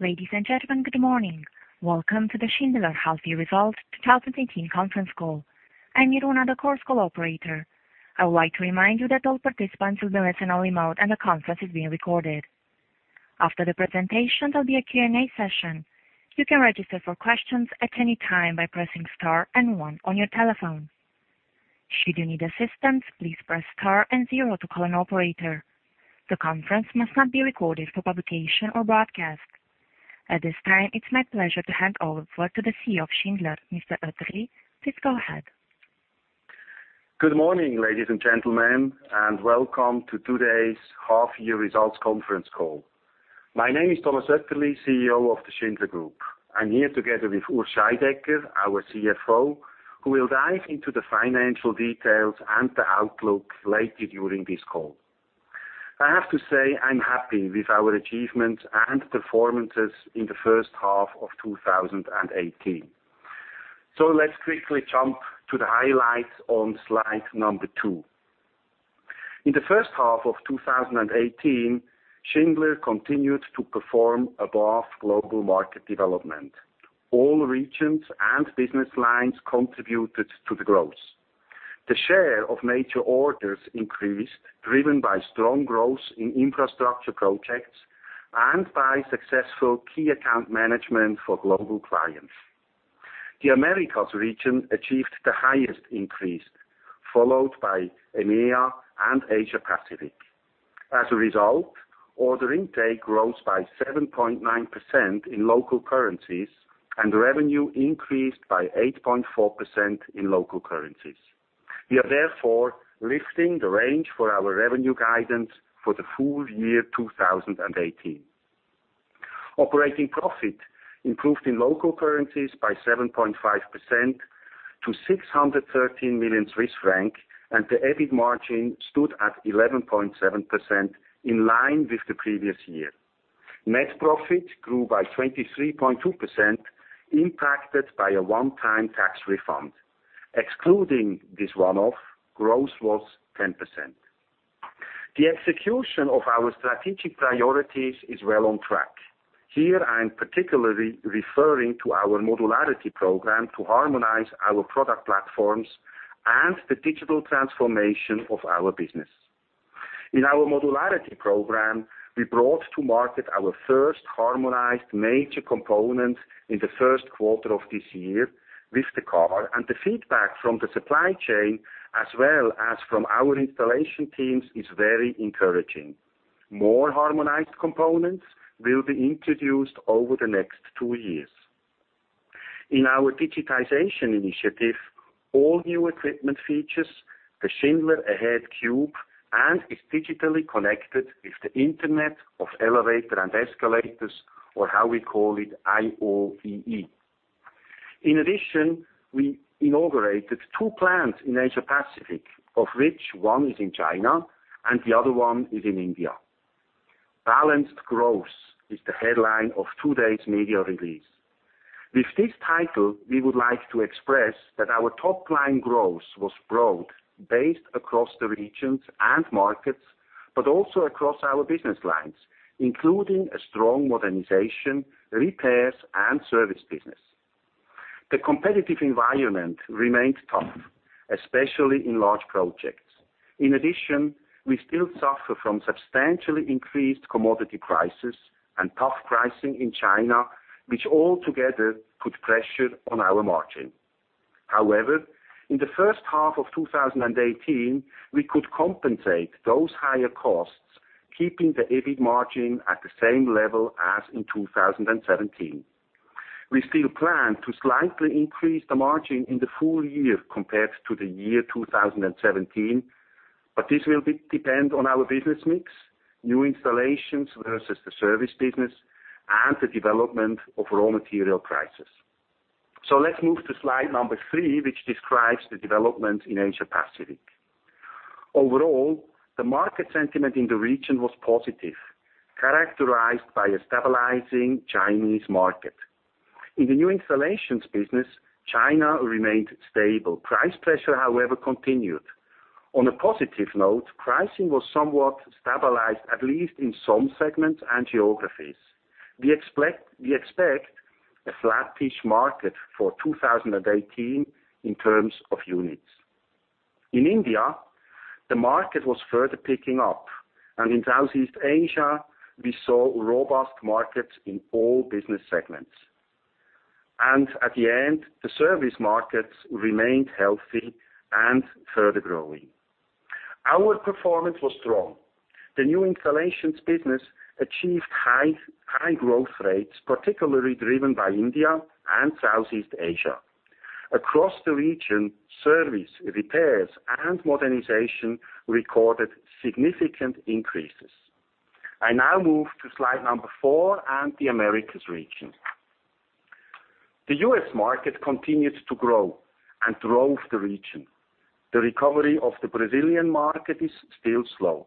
Ladies and gentlemen, good morning. Welcome to the Schindler Half Year Results 2018 conference call. I'm Irena, the Chorus Call operator. I would like to remind you that all participants will listen-only mode, and the conference is being recorded. After the presentation, there will be a Q&A session. You can register for questions at any time by pressing Star and One on your telephone. Should you need assistance, please press Star and Zero to call an operator. The conference must not be recorded for publication or broadcast. At this time, it's my pleasure to hand over to the CEO of Schindler, Mr. Oetterli. Please go ahead. Good morning, ladies and gentlemen, and welcome to today's half-year results conference call. My name is Thomas Oetterli, CEO of the Schindler Group. I'm here together with Urs Scheidegger, our CFO, who will dive into the financial details and the outlook later during this call. I have to say I'm happy with our achievements and performances in the first half of 2018. Let's quickly jump to the highlights on slide number two. In the first half of 2018, Schindler continued to perform above global market development. All regions and business lines contributed to the growth. The share of major orders increased, driven by strong growth in infrastructure projects and by successful key account management for global clients. The Americas region achieved the highest increase, followed by EMEA and Asia Pacific. As a result, order intake grows by 7.9% in local currencies, and revenue increased by 8.4% in local currencies. We are therefore lifting the range for our revenue guidance for the full year 2018. Operating profit improved in local currencies by 7.5% to 613 million Swiss franc, and the EBIT margin stood at 11.7%, in line with the previous year. Net profit grew by 23.2%, impacted by a one-time tax refund. Excluding this one-off, growth was 10%. The execution of our strategic priorities is well on track. Here, I am particularly referring to our modularity program to harmonize our product platforms and the digital transformation of our business. In our modularity program, we brought to market our first harmonized major component in the first quarter of this year with the car, and the feedback from the supply chain as well as from our installation teams is very encouraging. More harmonized components will be introduced over the next two years. In our digitization initiative, all new equipment features the Schindler Ahead CUBE and is digitally connected with the Internet of Elevators and Escalators, or how we call it, IoEE. In addition, we inaugurated two plants in Asia Pacific, of which one is in China and the other one is in India. Balanced growth is the headline of today's media release. With this title, we would like to express that our top-line growth was broad based across the regions and markets, but also across our business lines, including a strong modernization, repairs, and service business. The competitive environment remains tough, especially in large projects. In addition, we still suffer from substantially increased commodity prices and tough pricing in China, which all together put pressure on our margin. However, in the first half of 2018, we could compensate those higher costs, keeping the EBIT margin at the same level as in 2017. We still plan to slightly increase the margin in the full year compared to the year 2017, but this will depend on our business mix, new installations versus the service business, and the development of raw material prices. Let's move to slide number three, which describes the development in Asia Pacific. Overall, the market sentiment in the region was positive, characterized by a stabilizing Chinese market. In the new installations business, China remained stable. Price pressure, however, continued. On a positive note, pricing was somewhat stabilized, at least in some segments and geographies. We expect a flat pitch market for 2018 in terms of units. In India, the market was further picking up, and in Southeast Asia, we saw robust markets in all business segments. At the end, the service markets remained healthy and further growing. Our performance was strong. The new installations business achieved high growth rates, particularly driven by India and Southeast Asia. Across the region, service, repairs, and modernization recorded significant increases. I now move to slide number four and the Americas region. The U.S. market continues to grow and drove the region. The recovery of the Brazilian market is still slow.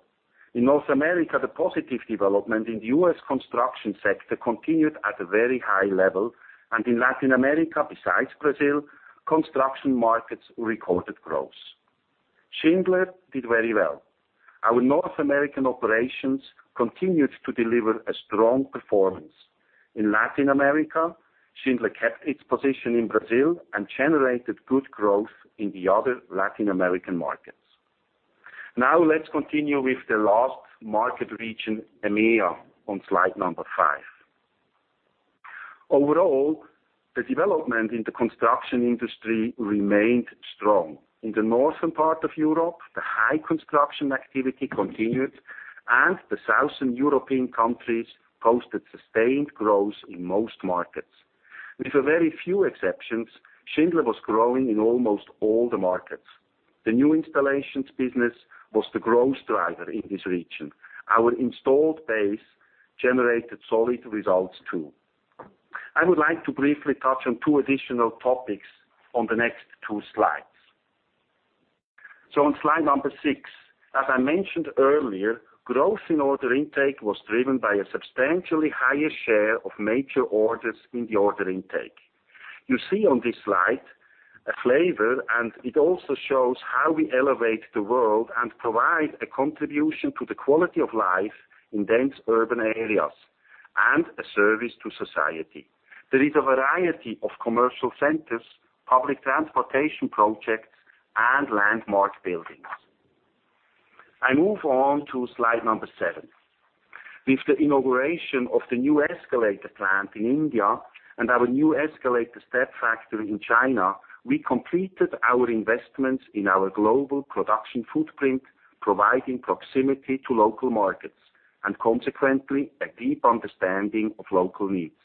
In North America, the positive development in the U.S. construction sector continued at a very high level, and in Latin America, besides Brazil, construction markets recorded growth. Schindler did very well. Our North American operations continued to deliver a strong performance. In Latin America, Schindler kept its position in Brazil and generated good growth in the other Latin American markets. Let's continue with the last market region, EMEA, on slide number five. Overall, the development in the construction industry remained strong. In the northern part of Europe, the high construction activity continued, and the southern European countries posted sustained growth in most markets. With a very few exceptions, Schindler was growing in almost all the markets. The new installations business was the growth driver in this region. Our installed base generated solid results, too. I would like to briefly touch on two additional topics on the next two slides. On slide number six, as I mentioned earlier, growth in order intake was driven by a substantially higher share of major orders in the order intake. You see on this slide a flavor, and it also shows how we elevate the world and provide a contribution to the quality of life in dense urban areas, and a service to society. There is a variety of commercial centers, public transportation projects, and landmark buildings. I move on to slide number seven. With the inauguration of the new escalator plant in India and our new escalator step factory in China, we completed our investments in our global production footprint, providing proximity to local markets, and consequently, a deep understanding of local needs.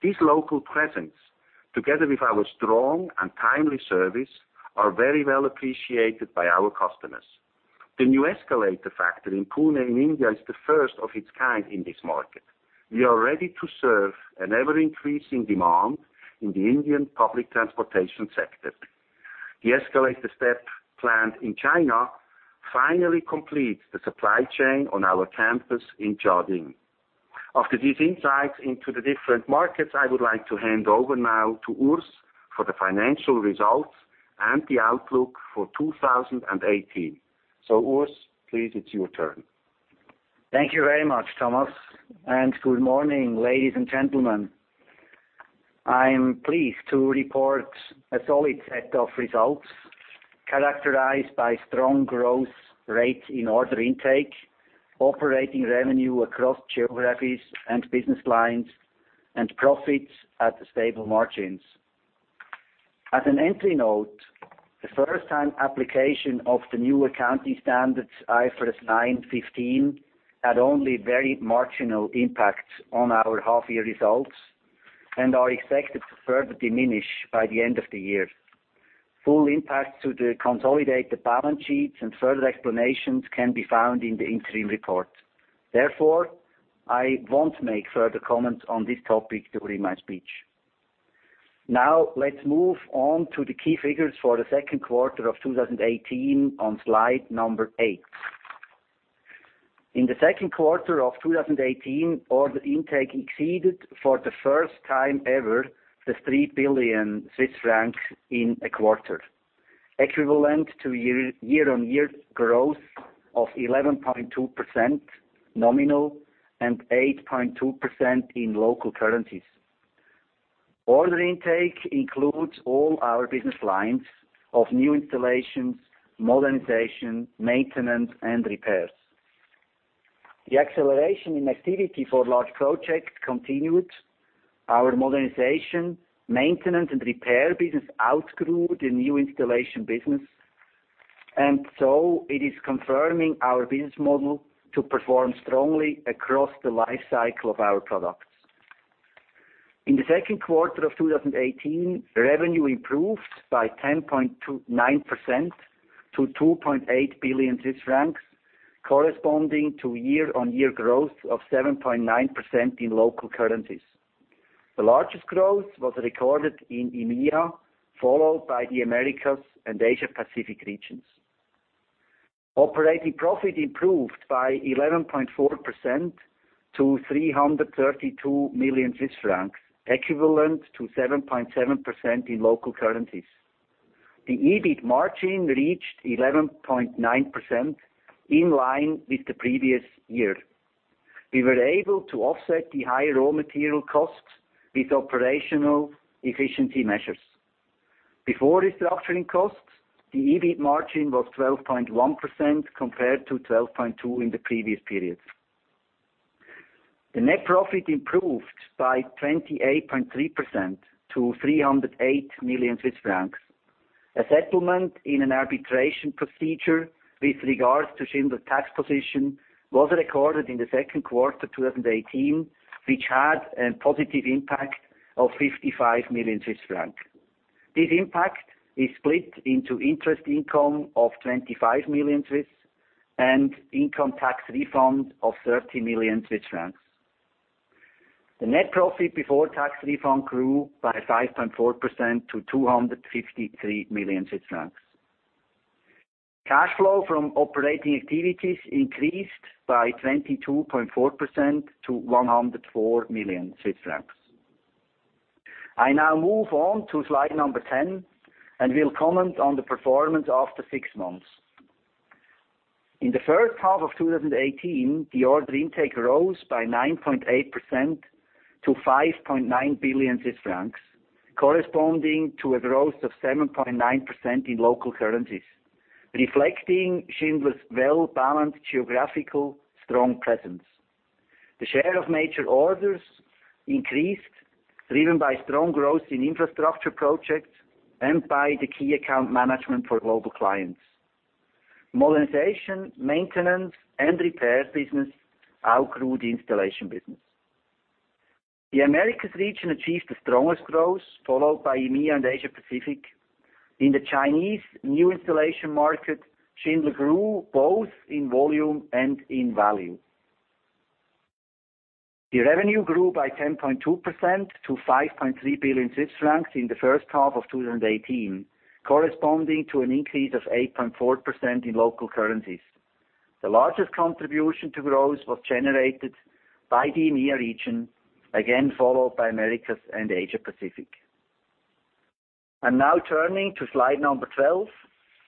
This local presence, together with our strong and timely service, are very well appreciated by our customers. The new escalator factory in Pune in India is the first of its kind in this market. We are ready to serve an ever-increasing demand in the Indian public transportation sector. The escalator step plant in China finally completes the supply chain on our campus in Jiaxing. After these insights into the different markets, I would like to hand over now to Urs for the financial results and the outlook for 2018. Urs, please, it's your turn. Thank you very much, Thomas. Good morning, ladies and gentlemen. I'm pleased to report a solid set of results characterized by strong growth rate in order intake, operating revenue across geographies and business lines, and profits at stable margins. As an entry note, the first-time application of the new accounting standards, IFRS 9-15, had only very marginal impacts on our half-year results and are expected to further diminish by the end of the year. Full impact to the consolidated balance sheets and further explanations can be found in the interim report. Therefore, I won't make further comments on this topic during my speech. Now let's move on to the key figures for the second quarter of 2018 on slide number eight. In the second quarter of 2018, order intake exceeded, for the first time ever, 3 billion Swiss francs in a quarter, equivalent to year-over-year growth of 11.2% nominal and 8.2% in local currencies. Order intake includes all our business lines of new installations, modernization, maintenance, and repairs. The acceleration in activity for large projects continued. Our modernization, maintenance, and repair business outgrew the new installation business, so it is confirming our business model to perform strongly across the life cycle of our products. In the second quarter of 2018, revenue improved by 10.9% to 2.8 billion francs, corresponding to year-over-year growth of 7.9% in local currencies. The largest growth was recorded in EMEA, followed by the Americas and Asia Pacific regions. Operating profit improved by 11.4% to 332 million francs, equivalent to 7.7% in local currencies. The EBIT margin reached 11.9%, in line with the previous year. We were able to offset the high raw material costs with operational efficiency measures. Before restructuring costs, the EBIT margin was 12.1% compared to 12.2% in the previous period. The net profit improved by 28.3% to 308 million Swiss francs. A settlement in an arbitration procedure with regards to Schindler's tax position was recorded in the second quarter 2018, which had a positive impact of 55 million Swiss francs. This impact is split into interest income of 25 million and income tax refund of 30 million Swiss francs. The net profit before tax refund grew by 5.4% to 253 million Swiss francs. Cash flow from operating activities increased by 22.4% to 104 million Swiss francs. I now move on to slide number 10, and will comment on the performance after six months. In the first half of 2018, the order intake rose by 9.8% to 5.9 billion Swiss francs, corresponding to a growth of 7.9% in local currencies, reflecting Schindler's well-balanced geographical strong presence. The share of major orders increased, driven by strong growth in infrastructure projects and by the key account management for global clients. Modernization, maintenance, and repair business outgrew the installation business. The Americas region achieved the strongest growth, followed by EMEA and Asia Pacific. In the Chinese new installation market, Schindler grew both in volume and in value. The revenue grew by 10.2% to 5.3 billion Swiss francs in the first half of 2018, corresponding to an increase of 8.4% in local currencies. The largest contribution to growth was generated by the EMEA region, again followed by Americas and Asia Pacific. I'm now turning to slide number 12,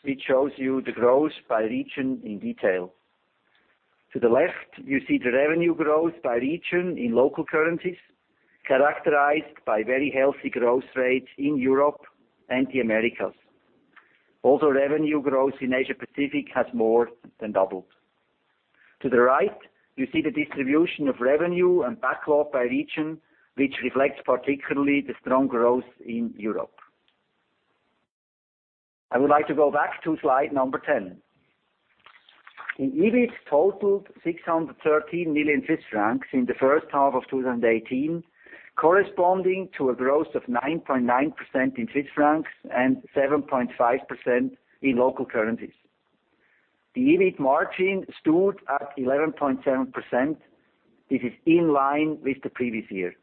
which shows you the growth by region in detail. To the left, you see the revenue growth by region in local currencies, characterized by very healthy growth rates in Europe and the Americas. Also, revenue growth in Asia Pacific has more than doubled. To the right, you see the distribution of revenue and backlog by region, which reflects particularly the strong growth in Europe. I would like to go back to slide number 10. The EBIT totaled 613 million Swiss francs in the first half of 2018, corresponding to a growth of 9.9% in Swiss francs and 7.5% in local currencies. The EBIT margin stood at 11.7%. It is in line with the previous year.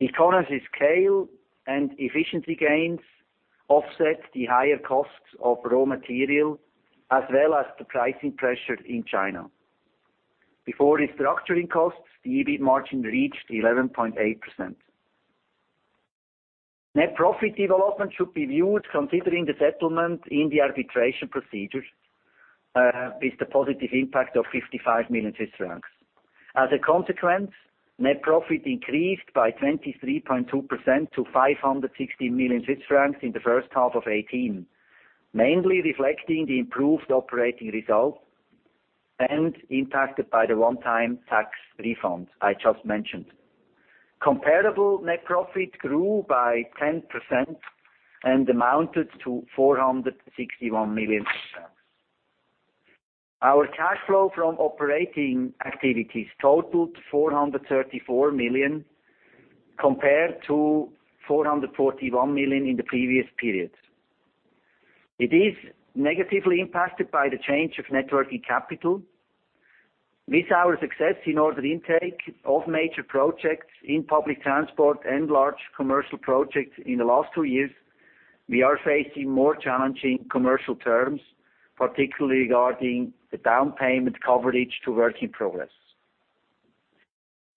Economies of scale and efficiency gains offset the higher costs of raw material, as well as the pricing pressure in China. Before restructuring costs, the EBIT margin reached 11.8%. Net profit development should be viewed considering the settlement in the arbitration procedure with the positive impact of 55 million Swiss francs. As a consequence, net profit increased by 23.2% to 560 million Swiss francs in the first half of 2018, mainly reflecting the improved operating results and impacted by the one-time tax refunds I just mentioned. Comparable net profit grew by 10% and amounted to 461 million. Our cash flow from operating activities totaled 434 million, compared to 441 million in the previous period. It is negatively impacted by the change of net working capital. With our success in order intake of major projects in public transport and large commercial projects in the last two years, we are facing more challenging commercial terms, particularly regarding the down payment coverage to work in progress.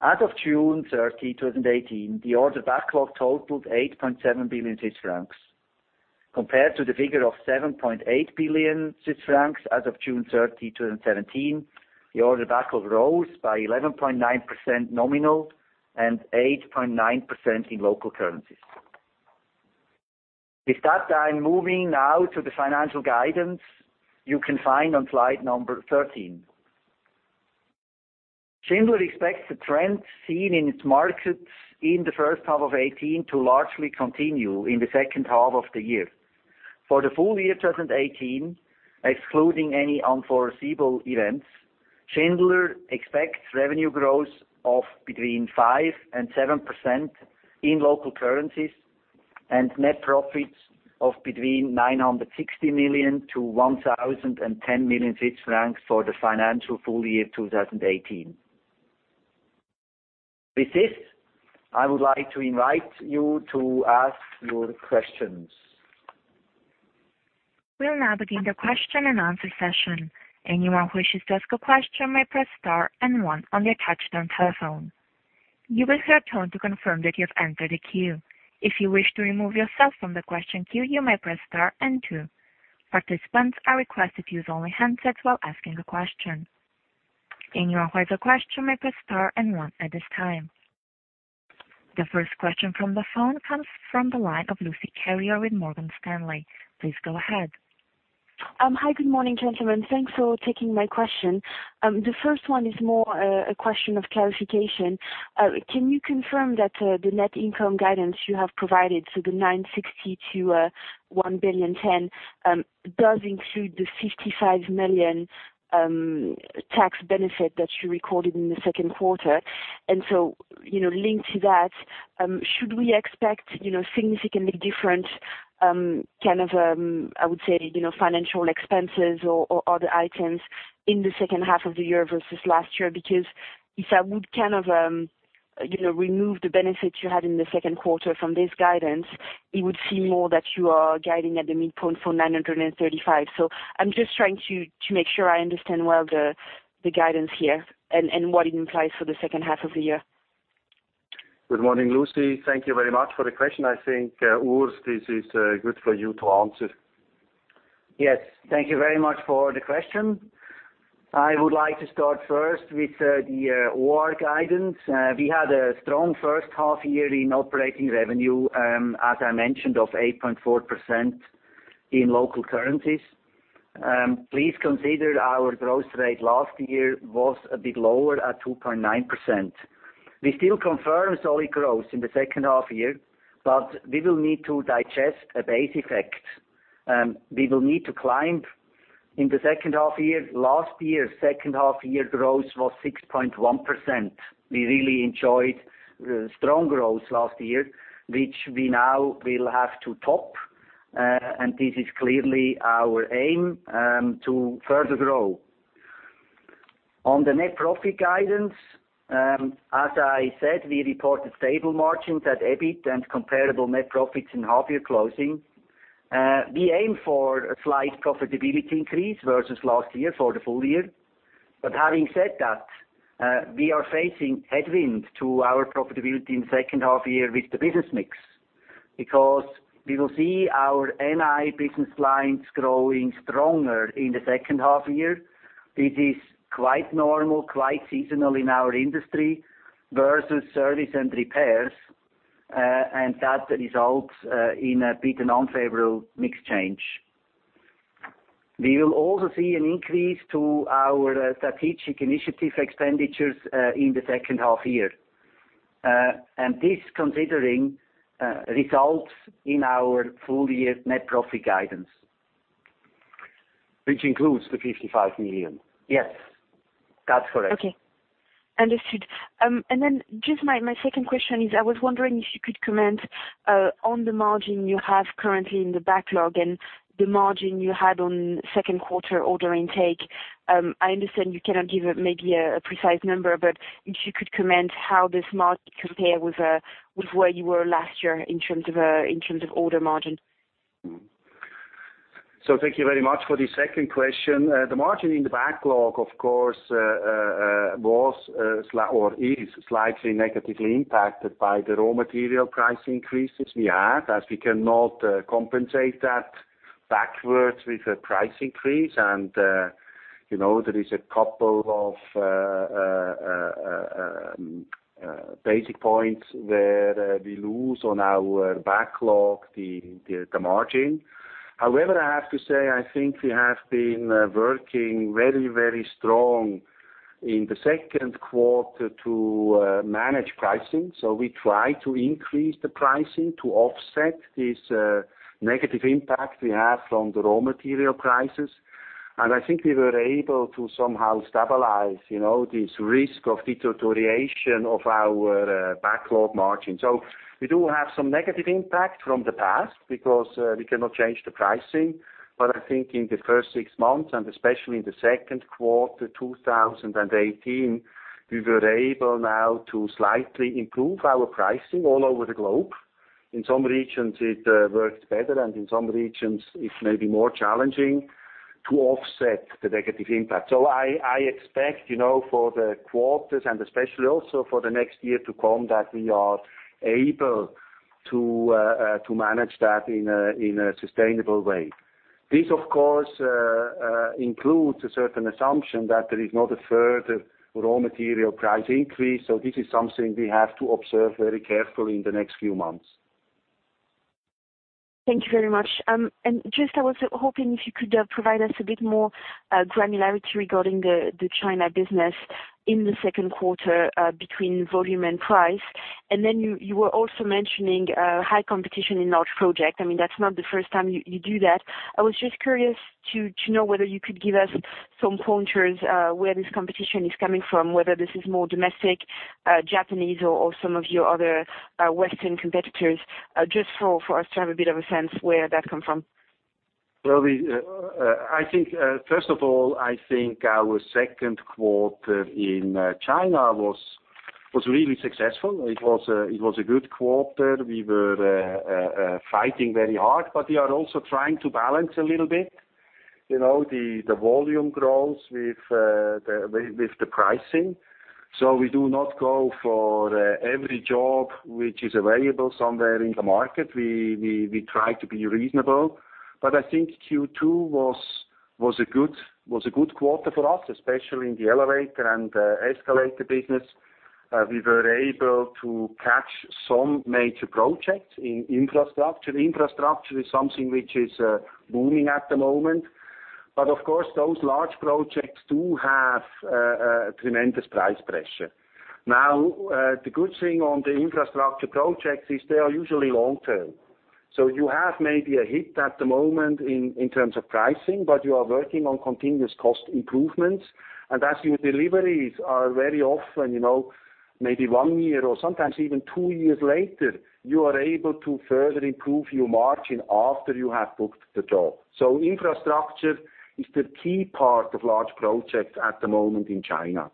As of June 30, 2018, the order backlog totaled 8.7 billion Swiss francs. Compared to the figure of 7.8 billion Swiss francs as of June 30, 2017, the order backlog rose by 11.9% nominal and 8.9% in local currencies. With that, I'm moving now to the financial guidance you can find on slide number 13. Schindler expects the trends seen in its markets in the first half of 2018 to largely continue in the second half of the year. For the full year 2018, excluding any unforeseeable events, Schindler expects revenue growth of between 5% and 7% in local currencies, and net profits of between 960 million to 1,010 million Swiss francs for the financial full year 2018. With this, I would like to invite you to ask your questions. We'll now begin the question and answer session. Anyone who wishes to ask a question may press star and one on their touchtone telephone. You will hear a tone to confirm that you have entered a queue. If you wish to remove yourself from the question queue, you may press star and two. Participants are requested to use only handsets while asking a question. Anyone who has a question may press star and one at this time. The first question from the phone comes from the line of Lucie Carrier with Morgan Stanley. Please go ahead. Hi, good morning, gentlemen. Thanks for taking my question. The first one is more a question of clarification. Can you confirm that the net income guidance you have provided, so the 960 million to 1.01 billion, does include the 55 million tax benefit that you recorded in the second quarter? Linked to that, should we expect significantly different, I would say, financial expenses or other items in the second half of the year versus last year? If I would remove the benefits you had in the second quarter from this guidance, it would seem more that you are guiding at the midpoint for 935 million. I'm just trying to make sure I understand well the guidance here and what it implies for the second half of the year. Good morning, Lucie. Thank you very much for the question. I think, Urs, this is good for you to answer. Yes. Thank you very much for the question. I would like to start first with the OR guidance. We had a strong first half year in operating revenue, as I mentioned, of 8.4% in local currencies. Please consider our growth rate last year was a bit lower at 2.9%. We still confirm solid growth in the second half year, we will need to digest a base effect. We will need to climb in the second half year. Last year, second half year growth was 6.1%. We really enjoyed strong growth last year, which we now will have to top, this is clearly our aim to further grow. On the net profit guidance, as I said, we reported stable margins at EBIT and comparable net profits in half-year closing. We aim for a slight profitability increase versus last year for the full year. Having said that, we are facing headwind to our profitability in the second half year with the business mix, because we will see our NI business lines growing stronger in the second half year. This is quite normal, quite seasonal in our industry versus service and repairs, that results in a bit unfavorable mix change. We will also see an increase to our strategic initiative expenditures in the second half year. This considering results in our full year net profit guidance. Which includes the 55 million? Yes, that's correct. Okay. Understood. Just my second question is, I was wondering if you could comment on the margin you have currently in the backlog and the margin you had on second quarter order intake. I understand you cannot give maybe a precise number, but if you could comment how this margin compare with where you were last year in terms of order margin. Thank you very much for the second question. The margin in the backlog, of course, is slightly negatively impacted by the raw material price increases we had, as we cannot compensate that backwards with a price increase. There is a couple of basis points where we lose on our backlog, the margin. However, I have to say, I think we have been working very strong in the second quarter to manage pricing. We try to increase the pricing to offset this negative impact we have from the raw material prices. I think we were able to somehow stabilize this risk of deterioration of our backlog margin. We do have some negative impact from the past because we cannot change the pricing. I think in the first six months, and especially in the second quarter 2018, we were able now to slightly improve our pricing all over the globe. In some regions, it works better, and in some regions, it may be more challenging to offset the negative impact. I expect, for the quarters and especially also for the next year to come, that we are able to manage that in a sustainable way. This, of course, includes a certain assumption that there is not a further raw material price increase. This is something we have to observe very carefully in the next few months. Thank you very much. Just I was hoping if you could provide us a bit more granularity regarding the China business in the second quarter between volume and price. You were also mentioning high competition in large project. I mean, that's not the first time you do that. I was just curious to know whether you could give us some pointers where this competition is coming from, whether this is more domestic, Japanese or some of your other Western competitors, just for us to have a bit of a sense where that come from. Well, first of all, I think our second quarter in China was really successful. It was a good quarter. We were fighting very hard, we are also trying to balance a little bit, the volume growth with the pricing. We do not go for every job which is available somewhere in the market. We try to be reasonable. I think Q2 was a good quarter for us, especially in the elevator and escalator business. We were able to catch some major projects in infrastructure. Infrastructure is something which is booming at the moment. Of course, those large projects do have tremendous price pressure. Now, the good thing on the infrastructure projects is they are usually long-term. You have maybe a hit at the moment in terms of pricing, but you are working on continuous cost improvements. As your deliveries are very often, maybe one year or sometimes even two years later, you are able to further improve your margin after you have booked the job. Infrastructure is the key part of large projects at the moment in China.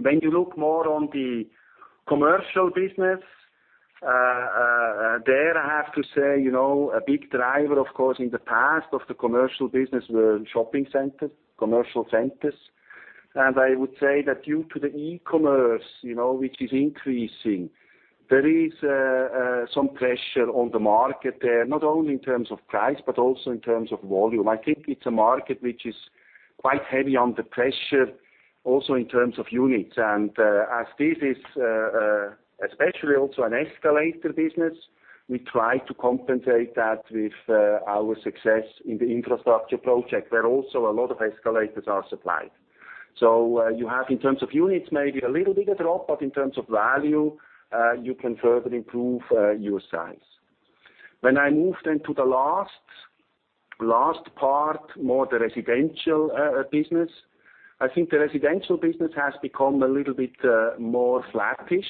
When you look more on the commercial business, there I have to say, a big driver, of course, in the past of the commercial business were shopping centers, commercial centers. I would say that due to the e-commerce, which is increasing, there is some pressure on the market there, not only in terms of price, but also in terms of volume. I think it's a market which is quite heavy under pressure also in terms of units. As this is especially also an escalator business, we try to compensate that with our success in the infrastructure project, where also a lot of escalators are supplied. You have, in terms of units, maybe a little bit of drop, but in terms of value, you can further improve your size. When I move then to the last part, more the residential business. I think the residential business has become a little bit more flattish.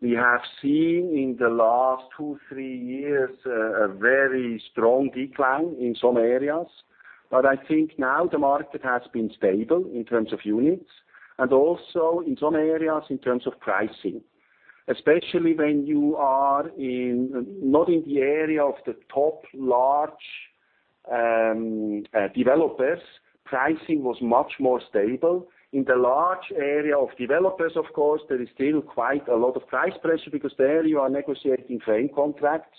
We have seen in the last two, three years a very strong decline in some areas. I think now the market has been stable in terms of units and also in some areas in terms of pricing. Especially when you are not in the area of the top large developers, pricing was much more stable. In the large area of developers, of course, there is still quite a lot of price pressure because there you are negotiating frame contracts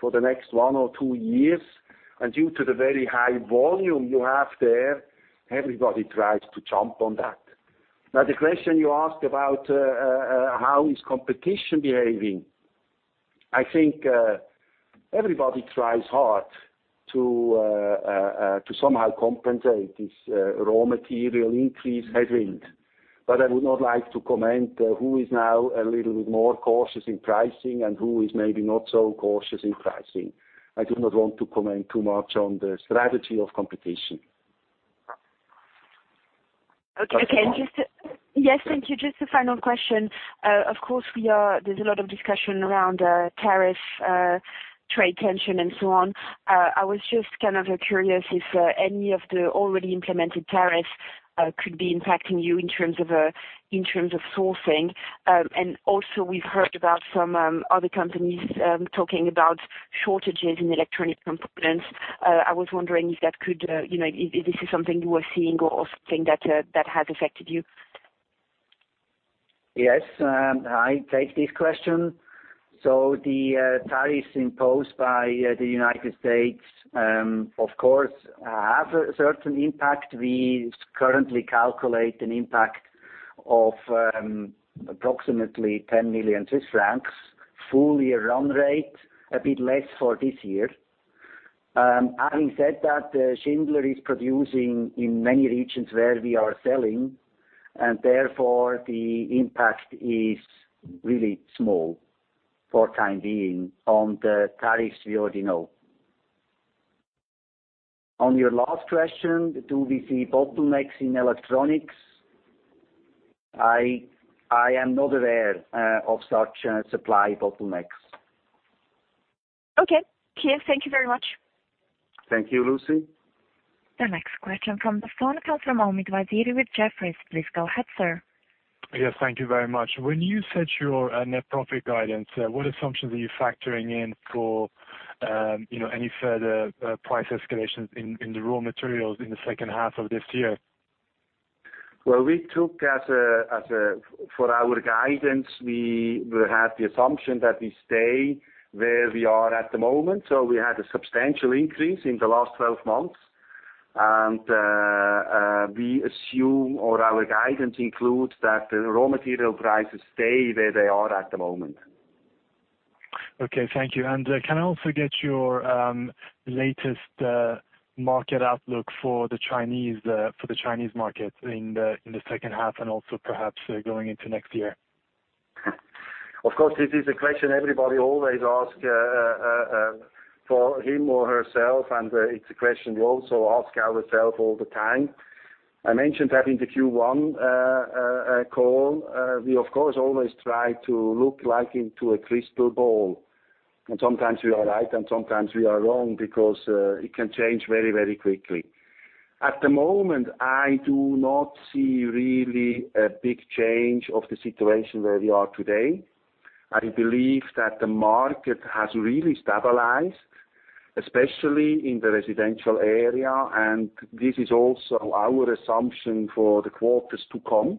for the next one or two years. Due to the very high volume you have there, everybody tries to jump on that. Now, the question you asked about how is competition behaving, I think everybody tries hard to somehow compensate this raw material increase headwind. I would not like to comment who is now a little bit more cautious in pricing and who is maybe not so cautious in pricing. I do not want to comment too much on the strategy of competition. Okay. Yes, thank you. Just a final question. Of course, there is a lot of discussion around tariff, trade tension, and so on. I was just kind of curious if any of the already implemented tariffs could be impacting you in terms of sourcing. Also we've heard about some other companies talking about shortages in electronic components. I was wondering if this is something you were seeing or something that has affected you. Yes, I take this question. The tariffs imposed by the U.S., of course, have a certain impact. We currently calculate an impact of approximately 10 million Swiss francs, full year run rate, a bit less for this year. Having said that, Schindler is producing in many regions where we are selling, therefore the impact is really small for time being on the tariffs we already know. On your last question, do we see bottlenecks in electronics? I am not aware of such supply bottlenecks. Okay. Thomas, thank you very much. Thank you, Lucie. The next question from the phone comes from Omid Vaziri with Jefferies. Please go ahead, sir. Yes, thank you very much. When you set your net profit guidance, what assumptions are you factoring in for any further price escalations in the raw materials in the second half of this year? Well, for our guidance, we have the assumption that we stay where we are at the moment. We had a substantial increase in the last 12 months. We assume, or our guidance includes that the raw material prices stay where they are at the moment. Okay, thank you. Can I also get your latest market outlook for the Chinese market in the second half and also perhaps going into next year? Of course, this is a question everybody always ask for him or herself, it's a question we also ask ourselves all the time. I mentioned that in the Q1 call. We, of course, always try to look like into a crystal ball, sometimes we are right and sometimes we are wrong because it can change very quickly. At the moment, I do not see really a big change of the situation where we are today. I believe that the market has really stabilized, especially in the residential area, this is also our assumption for the quarters to come.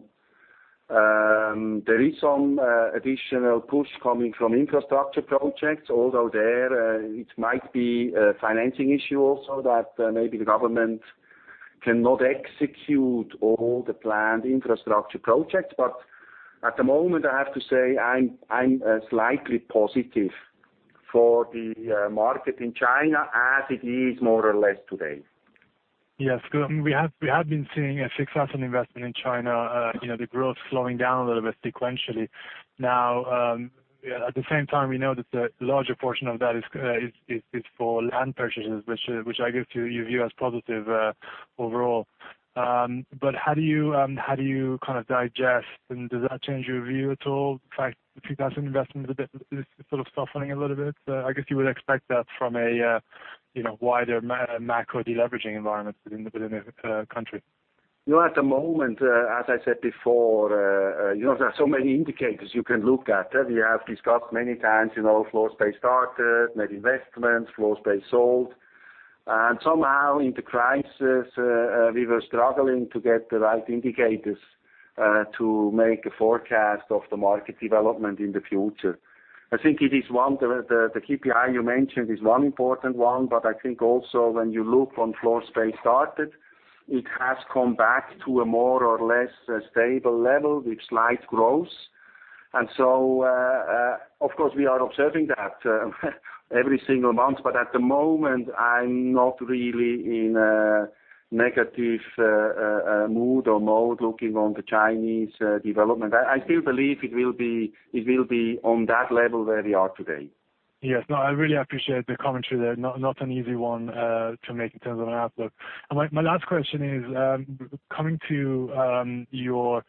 There is some additional push coming from infrastructure projects, although there it might be a financing issue also that maybe the government cannot execute all the planned infrastructure projects. At the moment, I have to say, I'm slightly positive for the market in China as it is more or less today. Yes, good. We have been seeing a fixed asset investment in China, the growth slowing down a little bit sequentially. At the same time, we know that the larger portion of that is for land purchases, which I guess you view as positive overall. How do you kind of digest, and does that change your view at all? In fact, the fixed asset investment is sort of softening a little bit. I guess you would expect that from a wider macro deleveraging environment within the country. At the moment, as I said before, there are so many indicators you can look at. We have discussed many times, floor space started, net investments, floor space sold. Somehow in the crisis, we were struggling to get the right indicators to make a forecast of the market development in the future. I think the KPI you mentioned is one important one. I think also when you look on floor space started, it has come back to a more or less stable level with slight growth. Of course we are observing that every single month. At the moment, I'm not really in a negative mood or mode looking on the Chinese development. I still believe it will be on that level where we are today. Yes. No, I really appreciate the commentary there. Not an easy one to make in terms of an outlook. My last question is, coming to your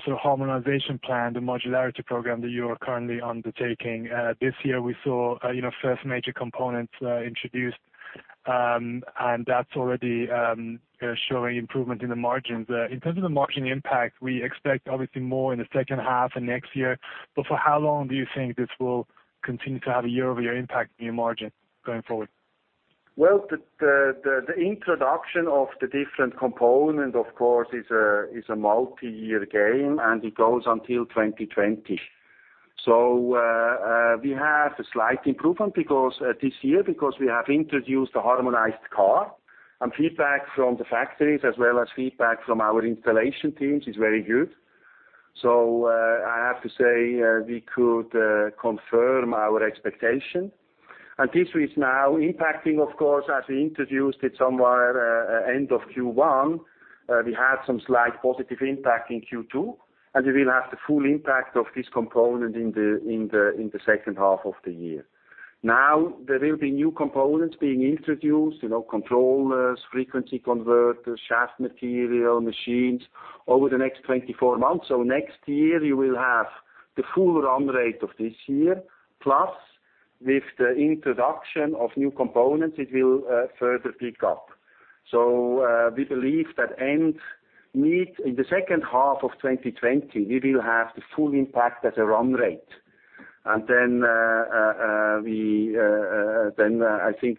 harmonization plan, the modularity program that you are currently undertaking. This year we saw first major components introduced, and that's already showing improvement in the margins. In terms of the margin impact, we expect obviously more in the second half and next year, but for how long do you think this will continue to have a year-over-year impact in your margin going forward? Well, the introduction of the different component, of course, is a multi-year game. It goes until 2020. We have a slight improvement this year because we have introduced a harmonized car. Feedback from the factories as well as feedback from our installation teams is very good. I have to say, we could confirm our expectation. This is now impacting, of course, as we introduced it somewhere end of Q1, we had some slight positive impact in Q2. We will have the full impact of this component in the second half of the year. There will be new components being introduced, controllers, frequency converters, shaft material, machines, over the next 24 months. Next year you will have the full run rate of this year. With the introduction of new components, it will further pick up. We believe that in the second half of 2020, we will have the full impact at a run rate. I think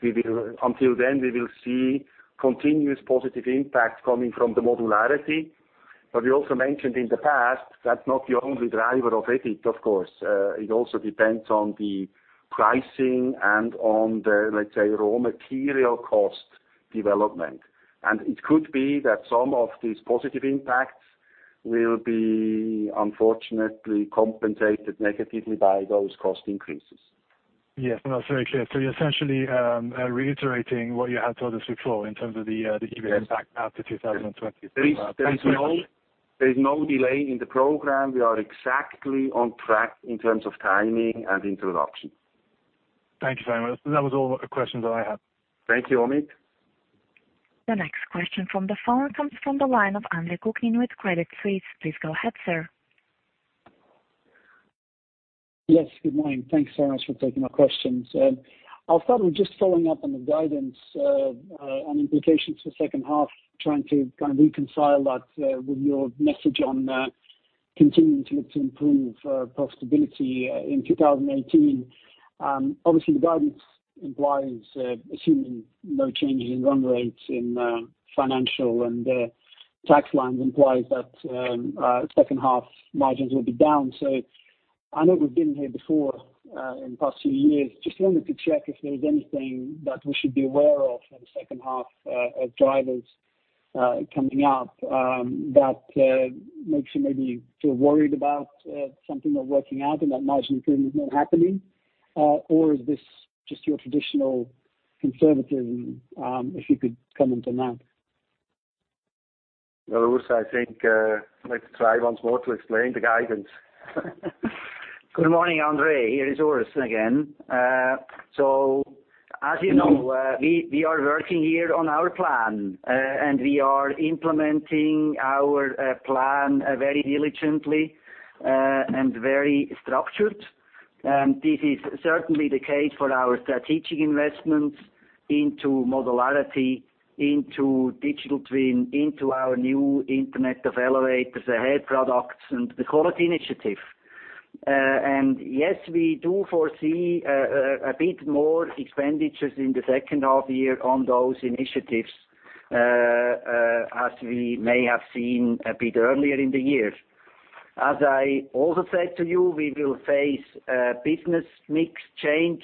until then, we will see continuous positive impact coming from the modularity. We also mentioned in the past, that's not the only driver of it, of course. It also depends on the pricing and on the, let's say, raw material cost development. It could be that some of these positive impacts will be unfortunately compensated negatively by those cost increases. Yes, that's very clear. You're essentially reiterating what you had told us before in terms of the impact. Yes after 2020. Thank you very much. There is no delay in the program. We are exactly on track in terms of timing and introduction. Thank you very much. That was all the questions that I had. Thank you, Omid. The next question from the phone comes from the line of Andre Kukhnin with Credit Suisse. Please go ahead, sir. Yes, good morning. Thanks so much for taking my questions. I'll start with just following up on the guidance, on implications for second half, trying to reconcile that with your message on continuing to improve profitability in 2018. Obviously, the guidance implies assuming no change in run rates in financial and tax lines implies that second half margins will be down. I know we've been here before in the past few years. Just wanted to check if there's anything that we should be aware of for the second half of drivers coming up, that makes you maybe feel worried about something not working out and that margin improvement not happening? Is this just your traditional conservatism? If you could comment on that. Well, Urs, I think let's try once more to explain the guidance. Good morning, Andre, here is Urs again. As you know, we are working here on our plan, we are implementing our plan very diligently and very structured. This is certainly the case for our strategic investments into modularity, into digital twin, into our new Internet of Elevators, the Schindler Ahead, and the quality initiative. Yes, we do foresee a bit more expenditures in the second half year on those initiatives, as we may have seen a bit earlier in the year. As I also said to you, we will face business mix change.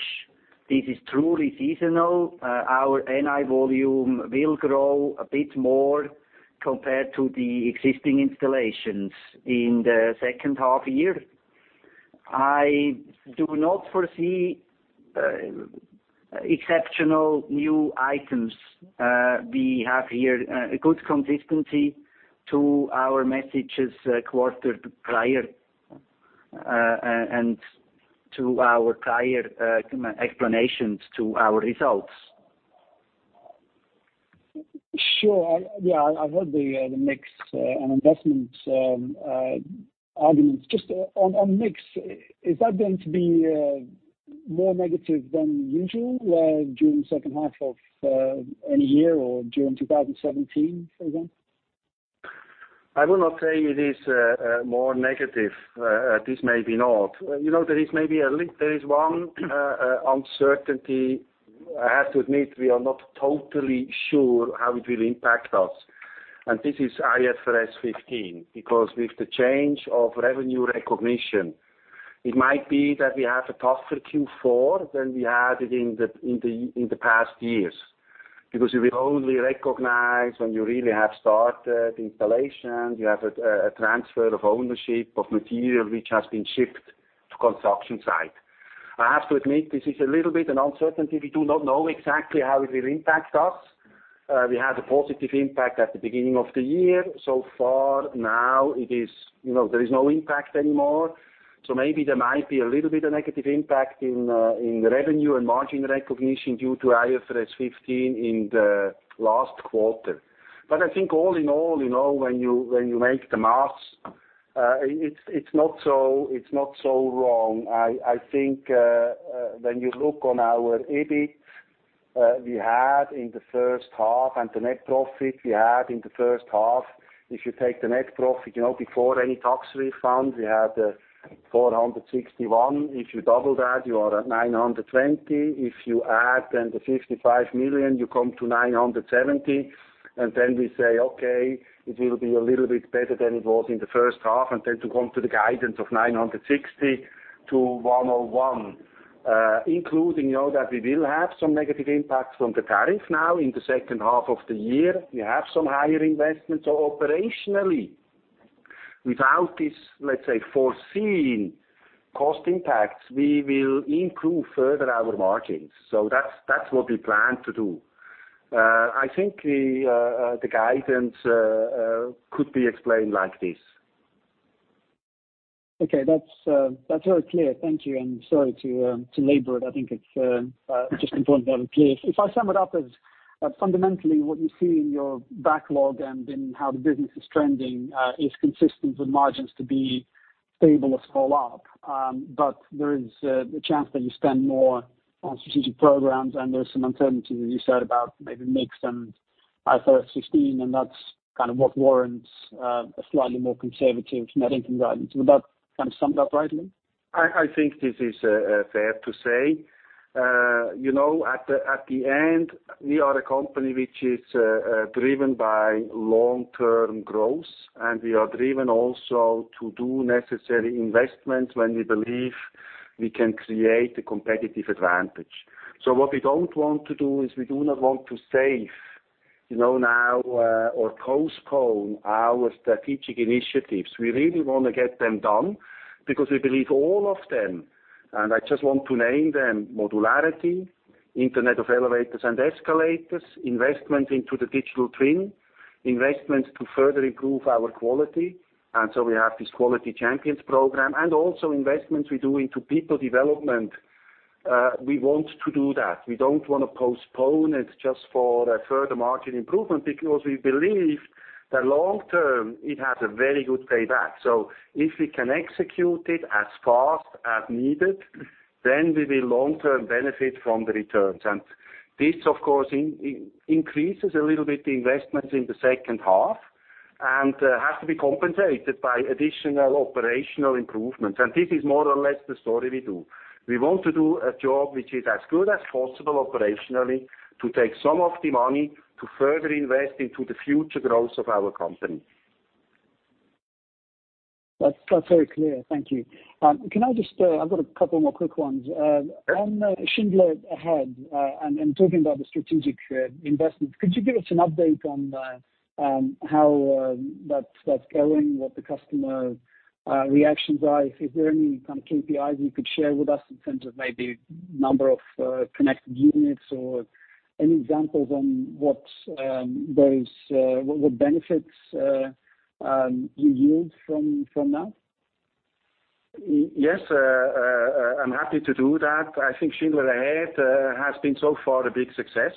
This is truly seasonal. Our NI volume will grow a bit more compared to the existing installations in the second half year. I do not foresee exceptional new items. We have here a good consistency to our messages quarter prior, and to our prior explanations to our results. Sure. Yeah, I've heard the mix and investment arguments. Just on mix, is that going to be more negative than usual during the second half of any year or during 2017, for example? I will not say it is more negative. This may be not. There is one uncertainty I have to admit, we are not totally sure how it will impact us, and this is IFRS 15, because with the change of revenue recognition, it might be that we have a tougher Q4 than we had in the past years. We will only recognize when you really have started installation, you have a transfer of ownership of material which has been shipped to construction site. I have to admit, this is a little bit an uncertainty. We do not know exactly how it will impact us. We had a positive impact at the beginning of the year. Far now, there is no impact anymore. Maybe there might be a little bit of negative impact in revenue and margin recognition due to IFRS 15 in the last quarter. I think all in all, when you make the math, it is not so wrong. I think when you look on our EBIT we had in the first half, and the net profit we had in the first half, if you take the net profit, before any tax refund, we had 461. If you double that, you are at 920. If you add the 55 million, you come to 970. We say, okay, it will be a little bit better than it was in the first half. To come to the guidance of 960 to 1,010, including that we will have some negative impacts from the tariff now in the second half of the year. We have some higher investments. Operationally, without this let's say foreseen cost impacts, we will improve further our margins. That's what we plan to do. I think the guidance could be explained like this. That's very clear. Thank you, and sorry to labor it. I think it is just important to have it clear. If I sum it up as fundamentally what you see in your backlog and in how the business is trending, is consistent with margins to be stable or small up. There is a chance that you spend more on strategic programs and there is some uncertainty, as you said, about maybe mix and IFRS 15 and that's kind of what warrants a slightly more conservative net income guidance. Would that kind of sum it up rightly? I think this is fair to say. At the end, we are a company which is driven by long-term growth, and we are driven also to do necessary investments when we believe we can create a competitive advantage. What we don't want to do is, we do not want to save now or postpone our strategic initiatives. We really want to get them done because we believe all of them, and I just want to name them, modularity, Internet of Elevators and Escalators, investment into the digital twin, investments to further improve our quality, and we have this Quality Champions program, and also investments we do into people development. We want to do that. We don't want to postpone it just for a further margin improvement because we believe that long-term it has a very good payback. If we can execute it as fast as needed, then we will long-term benefit from the returns. This, of course, increases a little bit the investments in the second half and has to be compensated by additional operational improvements. This is more or less the story we do. We want to do a job which is as good as possible operationally to take some of the money to further invest into the future growth of our company. That's very clear. Thank you. I've got a couple more quick ones. On Schindler Ahead, talking about the strategic investments, could you give us an update on how that's going, what the customer reactions are? Is there any kind of KPIs you could share with us in terms of maybe number of connected units or any examples on what benefits you yield from that? Yes, I'm happy to do that. I think Schindler Ahead has been so far a big success.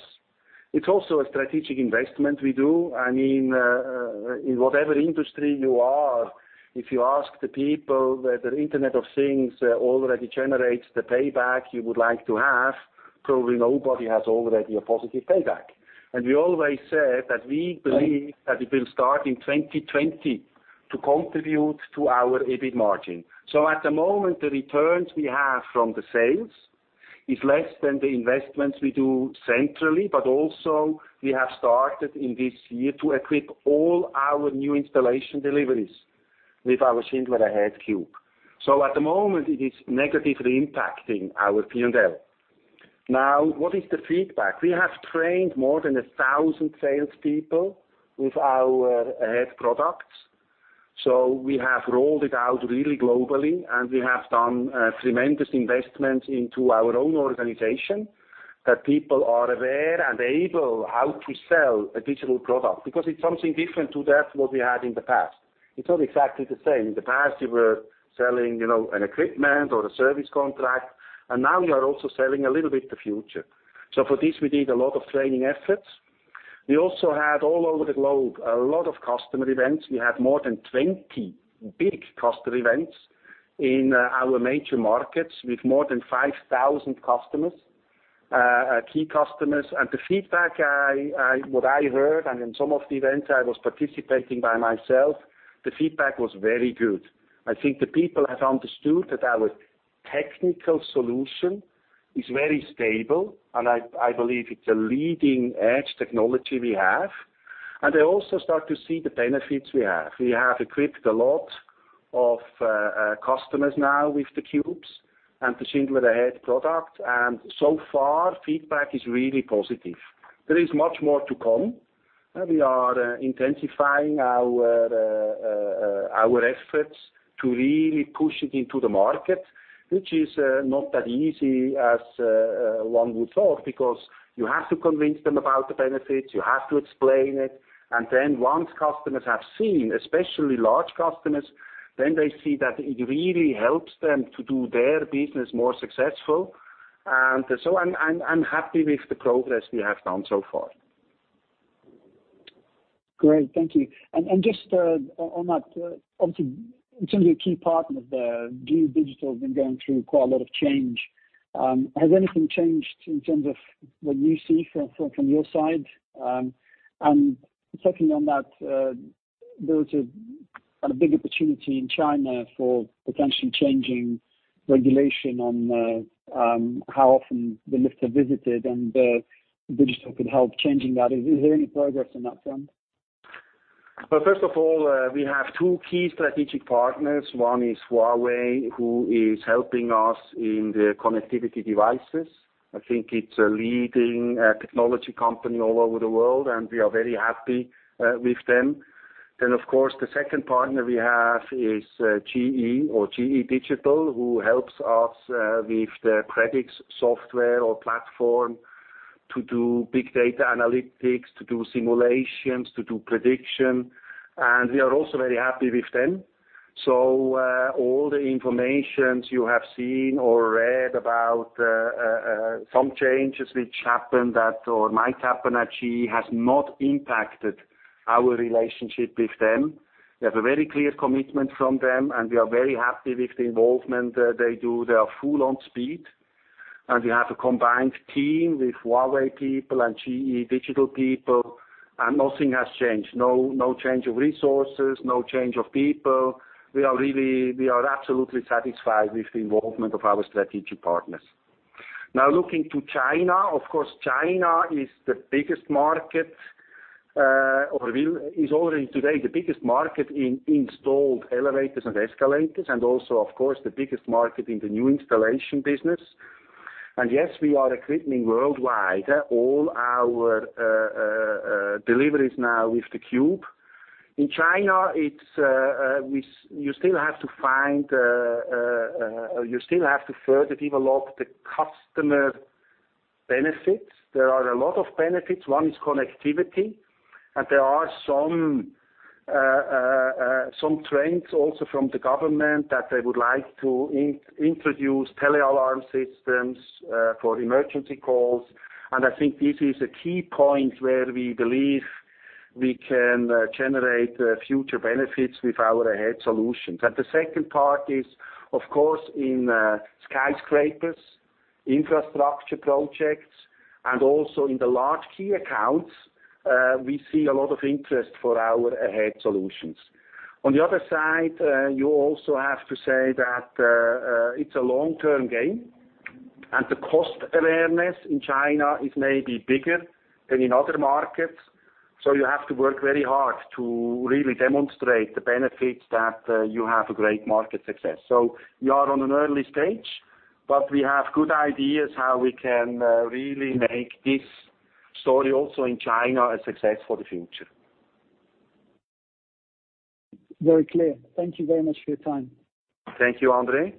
It's also a strategic investment we do. In whatever industry you are, if you ask the people whether Internet of Things already generates the payback you would like to have, probably nobody has already a positive payback. We always said that we believe that it will start in 2020 to contribute to our EBIT margin. At the moment, the returns we have from the sales is less than the investments we do centrally, but also we have started in this year to equip all our new installation deliveries with our Schindler Ahead cube. At the moment it is negatively impacting our P&L. What is the feedback? We have trained more than 1,000 salespeople with our Ahead products. We have rolled it out really globally, and we have done tremendous investments into our own organization, that people are aware and able how to sell a digital product. Because it's something different to that what we had in the past. It's not exactly the same. In the past, we were selling an equipment or a service contract, now we are also selling a little bit the future. For this, we did a lot of training efforts. We also had all over the globe, a lot of customer events. We had more than 20 big customer events in our major markets with more than 5,000 customers Key customers. The feedback what I heard, and in some of the events I was participating by myself, the feedback was very good. I think the people have understood that our technical solution is very stable, and I believe it's a leading-edge technology we have. They also start to see the benefits we have. We have equipped a lot of customers now with the CUBEs and the Schindler Ahead product, and so far feedback is really positive. There is much more to come. We are intensifying our efforts to really push it into the market, which is not that easy as one would thought, because you have to convince them about the benefits, you have to explain it, and then once customers have seen, especially large customers, then they see that it really helps them to do their business more successful. I am happy with the progress we have done so far. Great, thank you. Just on that, obviously, in terms of your key partner there, GE Digital have been going through quite a lot of change. Has anything changed in terms of what you see from your side? Secondly on that, there was a big opportunity in China for potentially changing regulation on how often the lifts are visited and Digital could help changing that. Is there any progress on that front? Well, first of all, we have two key strategic partners. One is Huawei, who is helping us in the connectivity devices. I think it's a leading technology company all over the world, and we are very happy with them. Then, of course, the second partner we have is GE or GE Digital, who helps us with the Predix software or platform to do big data analytics, to do simulations, to do prediction. We are also very happy with them. So all the informations you have seen or read about some changes which happened at or might happen at GE has not impacted our relationship with them. We have a very clear commitment from them, and we are very happy with the involvement they do. They are full on speed. We have a combined team with Huawei people and GE Digital people, and nothing has changed. No change of resources, no change of people. We are absolutely satisfied with the involvement of our strategic partners. Looking to China, of course, China is already today the biggest market in installed elevators and escalators, and also, of course, the biggest market in the new installation business. Yes, we are equipping worldwide all our deliveries now with the CUBE. In China, you still have to further develop the customer benefits. There are a lot of benefits. One is connectivity. There are some trends also from the government that they would like to introduce tele-alarm systems for emergency calls. I think this is a key point where we believe we can generate future benefits with our Ahead solutions. The second part is, of course, in skyscrapers, infrastructure projects, and also in the large key accounts, we see a lot of interest for our Ahead solutions. You also have to say that it's a long-term game. The cost awareness in China is maybe bigger than in other markets. You have to work very hard to really demonstrate the benefits that you have a great market success. We are on an early stage, but we have good ideas how we can really make this story also in China a success for the future. Very clear. Thank you very much for your time. Thank you, Andre.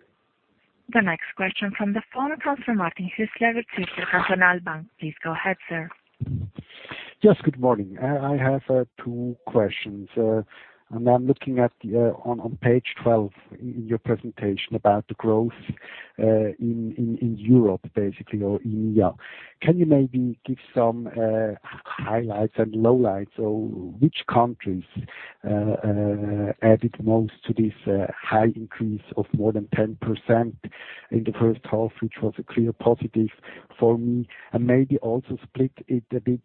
The next question from the phone comes from Martin Hüsler with Zürcher Kantonalbank. Please go ahead, sir. Yes, good morning. I have two questions. I'm now looking on page 12 in your presentation about the growth in Europe, basically, or EMEA. Can you maybe give some highlights and lowlights or which countries added most to this high increase of more than 10% in the first half, which was a clear positive for me? Maybe also split it a bit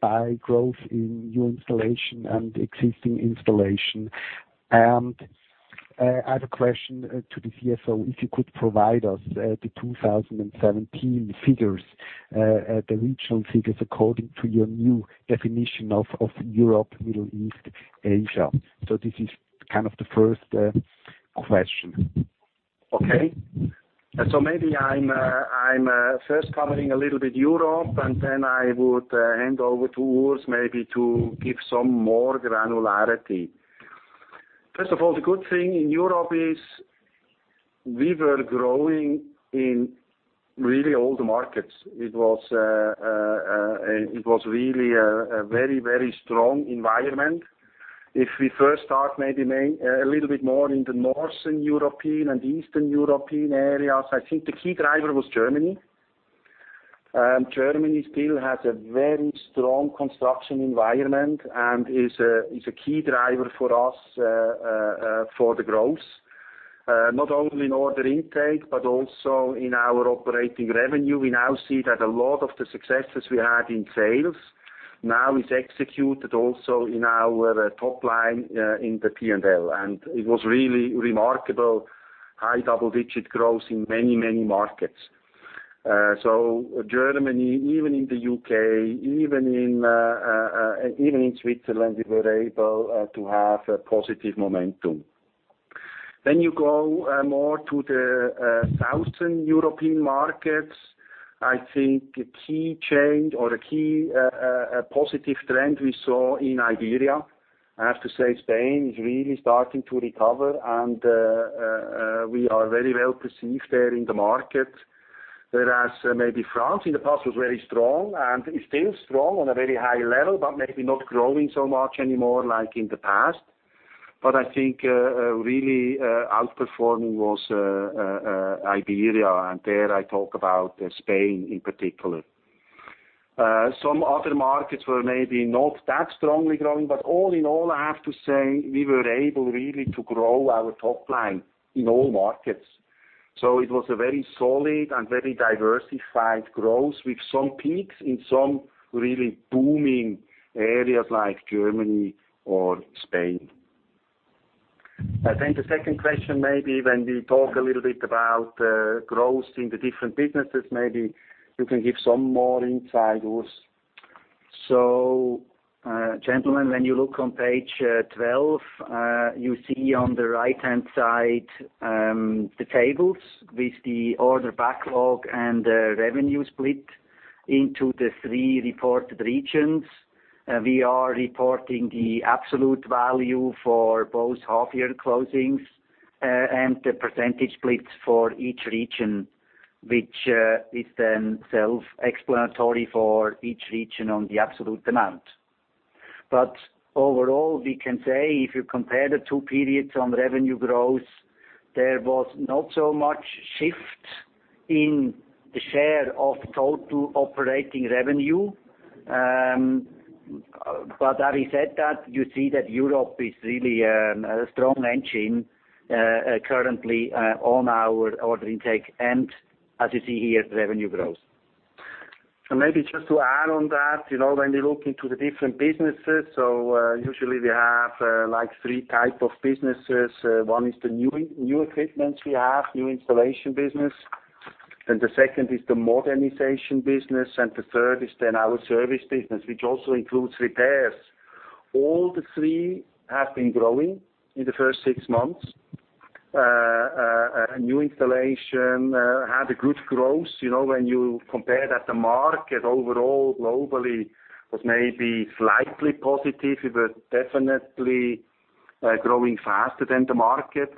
by growth in new installation and existing installation. I have a question to the CFO, if you could provide us the 2017 figures, the regional figures according to your new definition of Europe, Middle East, Asia. This is kind of the first question. Okay. Maybe I'm first covering a little bit Europe, and then I would hand over to Urs maybe to give some more granularity. First of all, the good thing in Europe is we were growing in really all the markets. It was really a very strong environment. If we first start maybe a little bit more in the Northern European and Eastern European areas, I think the key driver was Germany. Germany still has a very strong construction environment and is a key driver for us for the growth. Not only in order intake, but also in our operating revenue. We now see that a lot of the successes we had in sales, now is executed also in our top line in the P&L. It was really remarkable high double-digit growth in many, many markets. Germany, even in the U.K., even in Switzerland, we were able to have a positive momentum. You go more to the Southern European markets. I think a key change or a key positive trend we saw in Iberia. I have to say Spain is really starting to recover, and we are very well received there in the market. Whereas maybe France in the past was very strong and is still strong on a very high level, but maybe not growing so much anymore like in the past. I think really outperforming was Iberia, and there I talk about Spain in particular. Some other markets were maybe not that strongly growing, but all in all, I have to say, we were able really to grow our top line in all markets. It was a very solid and very diversified growth with some peaks in some really booming areas like Germany or Spain. I think the second question, maybe when we talk a little bit about growth in the different businesses, maybe you can give some more insight, Urs. gentlemen, when you look on page 12, you see on the right-hand side, the tables with the order backlog and the revenue split into the 3 reported regions. We are reporting the absolute value for both half-year closings, and the percentage splits for each region, which is then self-explanatory for each region on the absolute amount. Overall, we can say if you compare the 2 periods on revenue growth, there was not so much shift in the share of total operating revenue. Having said that, you see that Europe is really a strong engine, currently on our order intake, and as you see here, revenue growth. Maybe just to add on that, when we look into the different businesses. Usually we have 3 type of businesses. One is the new equipments we have, new installation business. The second is the modernization business, and the third is our service business, which also includes repairs. All the 3 have been growing in the first 6 months. New installation had a good growth. When you compare that the market overall globally was maybe slightly positive, we were definitely growing faster than the market.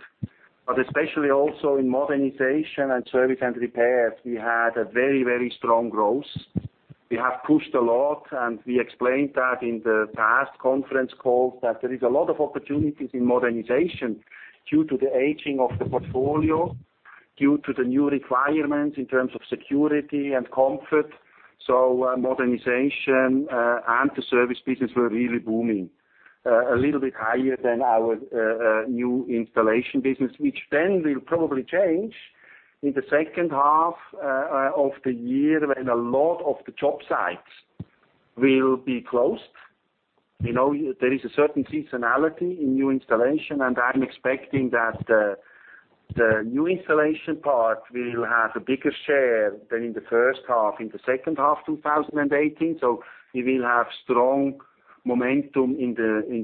Especially also in modernization and service and repairs, we had a very strong growth. We have pushed a lot, and we explained that in the past conference calls that there is a lot of opportunities in modernization due to the aging of the portfolio, due to the new requirements in terms of security and comfort. Modernization and the service business were really booming. A little bit higher than our new installation business, which will probably change in the second half of the year when a lot of the job sites will be closed. There is a certain seasonality in new installation, and I'm expecting that the new installation part will have a bigger share than in the first half, in the second half of 2018. We will have strong momentum in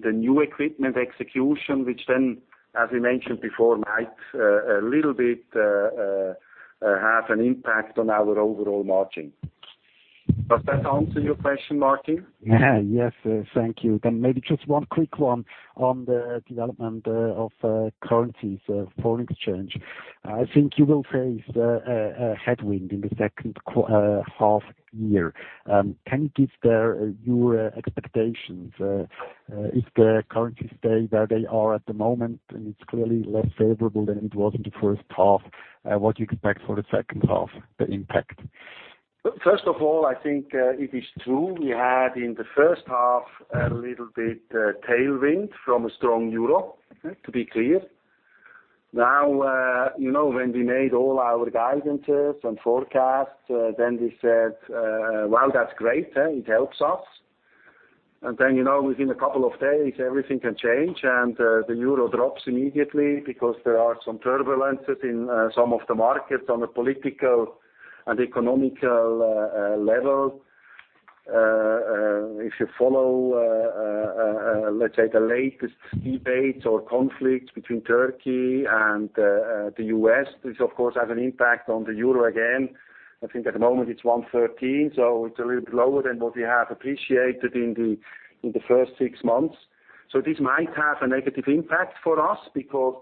the new equipment execution, which, as we mentioned before, might a little bit have an impact on our overall margin. Does that answer your question, Martin? Yes, thank you. Maybe just one quick one on the development of currencies, foreign exchange. I think you will face a headwind in the second half year. Can you give your expectations? If the currencies stay where they are at the moment, and it's clearly less favorable than it was in the first half, what do you expect for the second half, the impact? First of all, I think it is true, we had in the first half a little bit tailwind from a strong euro, to be clear. When we made all our guidances and forecasts, we said, "Well, that's great. It helps us." Within a couple of days, everything can change, and the euro drops immediately because there are some turbulences in some of the markets on the political and economical level. If you follow, let's say the latest debates or conflicts between Turkey and the U.S., which of course has an impact on the euro again. I think at the moment it's 113, so it's a little bit lower than what we have appreciated in the first 6 months. This might have a negative impact for us because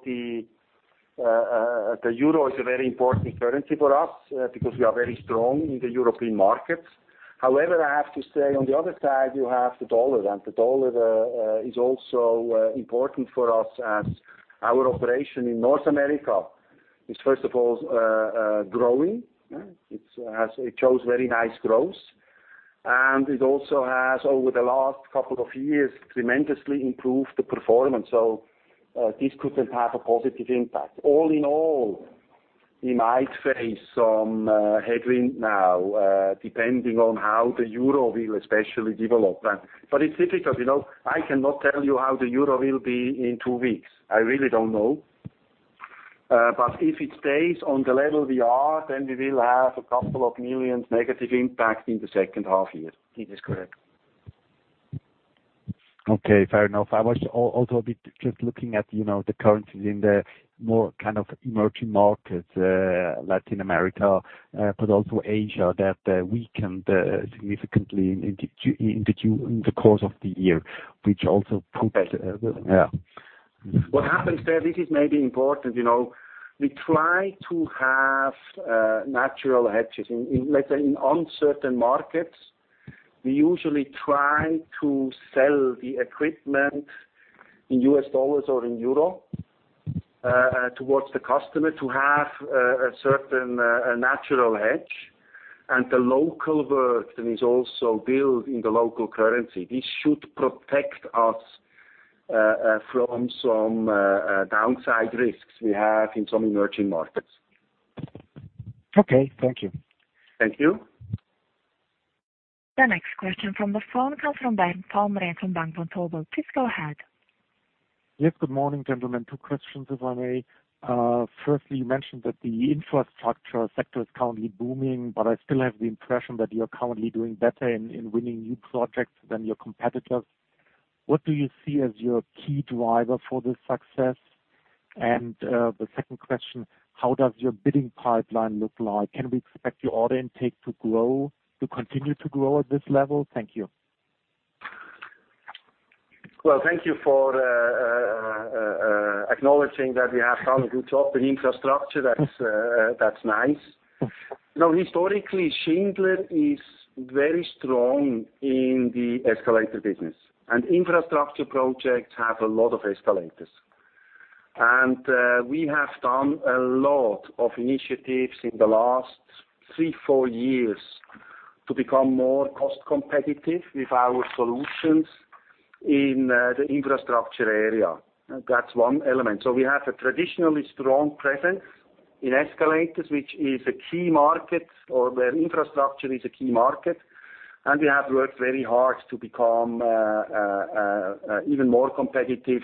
the euro is a very important currency for us, because we are very strong in the European markets. However, I have to say, on the other side, you have the dollar, and the dollar is also important for us as our operation in North America is first of all growing. It shows very nice growth. It also has, over the last couple of years, tremendously improved the performance. This couldn't have a positive impact. All in all, we might face some headwind now, depending on how the euro will especially develop then. It's difficult. I cannot tell you how the euro will be in 2 weeks. I really don't know. If it stays on the level we are, we will have a couple of million CHF negative impact in the second half year. It is correct. Okay, fair enough. I was also a bit just looking at the currencies in the more emerging markets, Latin America, but also Asia, that weakened significantly in the course of the year, which also proved that. What happens there, this is maybe important. We try to have natural hedges. Let's say, in uncertain markets, we usually try to sell the equipment in US dollars or in euro towards the customer to have a certain natural hedge, and the local version is also billed in the local currency. This should protect us from some downside risks we have in some emerging markets. Okay, thank you. Thank you. The next question from the phone comes from Bernd Pomrehn from Bank Vontobel. Please go ahead. Yes, good morning, gentlemen. Two questions, if I may. Firstly, you mentioned that the infrastructure sector is currently booming, but I still have the impression that you're currently doing better in winning new projects than your competitors. What do you see as your key driver for this success? The second question, how does your bidding pipeline look like? Can we expect your order intake to continue to grow at this level? Thank you. Well, thank you for acknowledging that we have done a good job in infrastructure. That's nice. Historically, Schindler is very strong in the escalator business, and infrastructure projects have a lot of escalators. We have done a lot of initiatives in the last three, four years to become more cost competitive with our solutions in the infrastructure area. That's one element. We have a traditionally strong presence in escalators, where infrastructure is a key market. We have worked very hard to become even more competitive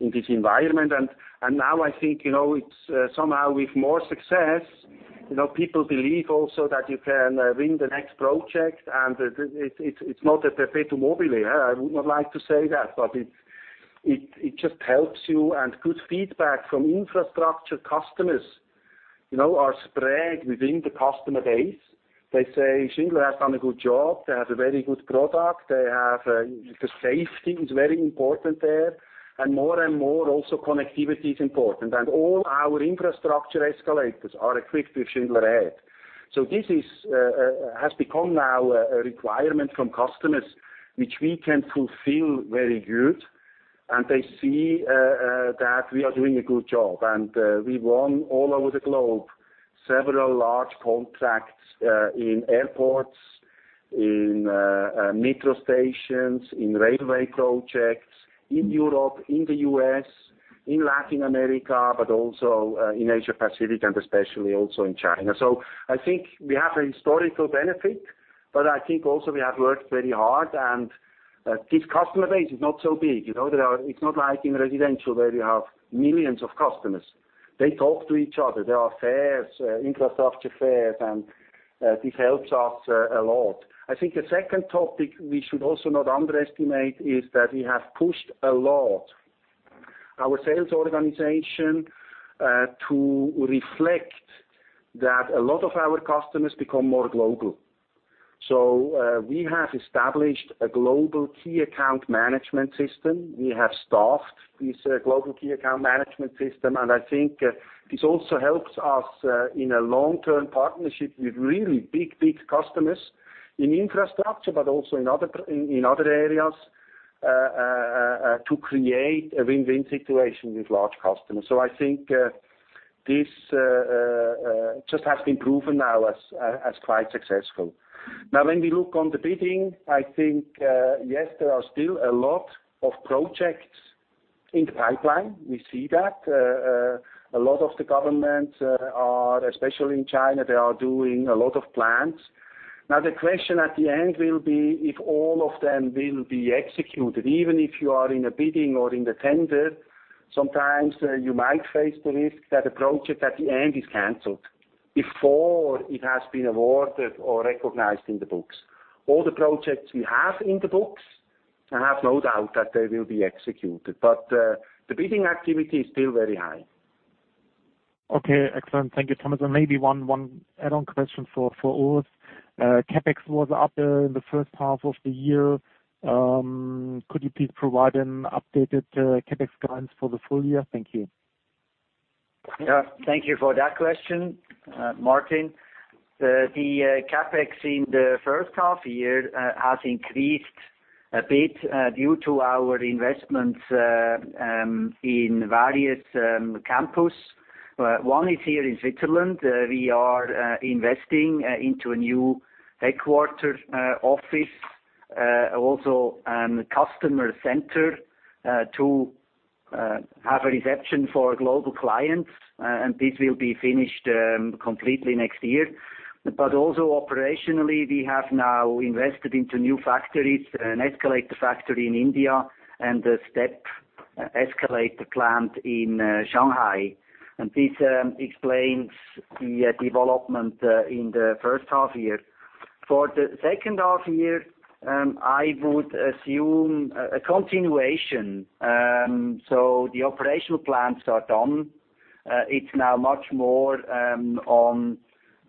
in this environment. Now I think, it's somehow with more success, people believe also that you can win the next project, and it's not a perpetuum mobile. I would not like to say that, but it just helps you, and good feedback from infrastructure customers are spread within the customer base. They say, "Schindler has done a good job. They have a very good product. The safety is very important there. More and more, also connectivity is important. All our infrastructure escalators are equipped with Schindler Ahead. This has become now a requirement from customers, which we can fulfill very good. They see that we are doing a good job. We won all over the globe, several large contracts in airports, in metro stations, in railway projects, in Europe, in the U.S., in Latin America, but also in Asia Pacific, and especially also in China. I think we have a historical benefit, but I think also we have worked very hard, and this customer base is not so big. It's not like in residential where you have millions of customers. They talk to each other. There are fairs, infrastructure fairs, and this helps us a lot. I think the second topic we should also not underestimate is that we have pushed a lot our sales organization to reflect that a lot of our customers become more global. We have established a global key account management system. We have staffed this global key account management system, and I think this also helps us in a long-term partnership with really big customers in infrastructure, but also in other areas, to create a win-win situation with large customers. I think this just has been proven now as quite successful. When we look on the bidding, I think, yes, there are still a lot of projects in the pipeline. We see that. A lot of the governments are, especially in China, they are doing a lot of plans. The question at the end will be if all of them will be executed, even if you are in a bidding or in the tender, sometimes you might face the risk that a project at the end is canceled before it has been awarded or recognized in the books. All the projects we have in the books, I have no doubt that they will be executed. The bidding activity is still very high. Okay, excellent. Thank you, Thomas. Maybe one add-on question for Urs. CapEx was up in the first half of the year. Could you please provide an updated CapEx guidance for the full year? Thank you. Thank you for that question, Martin. The CapEx in the first half-year has increased a bit due to our investments in various campuses. One is here in Switzerland. We are investing into a new headquarter office, also a customer center to have a reception for global clients, and this will be finished completely next year. Also operationally, we have now invested into new factories, an escalator factory in India, and a step escalator plant in Shanghai. This explains the development in the first half-year. For the second half-year, I would assume a continuation. The operational plans are done. It's now much more on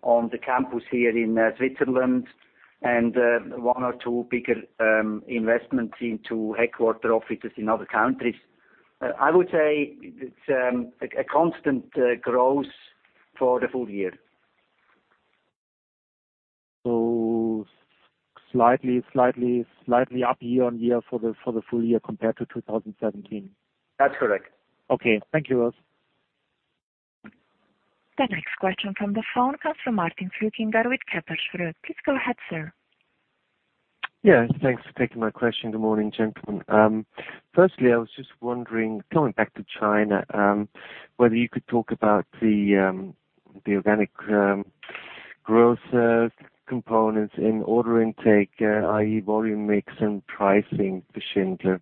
the campus here in Switzerland and one or two bigger investments into headquarter offices in other countries. I would say it's a constant growth for the full year. Slightly up year-on-year for the full year compared to 2017? That's correct. Okay. Thank you, Urs. The next question from the phone comes from Martin Flückiger with Kepler. Please go ahead, sir. Yeah, thanks for taking my question. Good morning, gentlemen. Firstly, I was just wondering, coming back to China, whether you could talk about the organic growth components in order intake, i.e., volume mix and pricing for Schindler.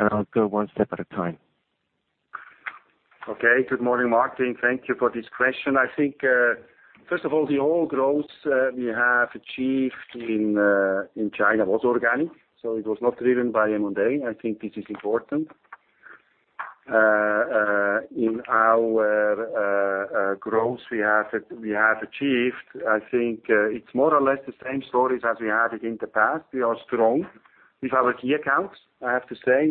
I'll go one step at a time. Good morning, Martin. Thank you for this question. I think, first of all, the whole growth we have achieved in China was organic. It was not driven by M&A. I think this is important. In our growth we have achieved, I think it's more or less the same story as we had it in the past. We are strong with our key accounts, I have to say.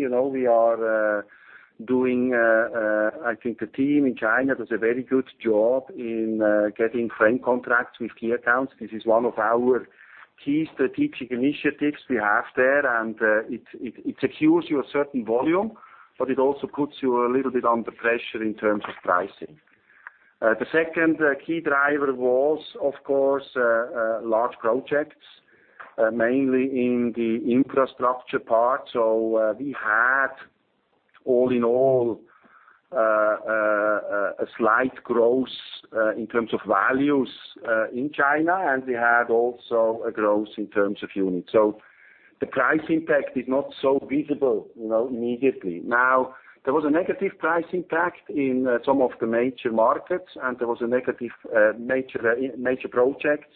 I think the team in China does a very good job in getting frame contracts with key accounts. This is one of our key strategic initiatives we have there, and it secures you a certain volume, but it also puts you a little bit under pressure in terms of pricing. The second key driver was of course large projects, mainly in the infrastructure part. We had all in all, a slight growth in terms of values in China. We had also a growth in terms of units. The price impact is not so visible immediately. There was a negative price impact in some of the major markets. There was a negative major project,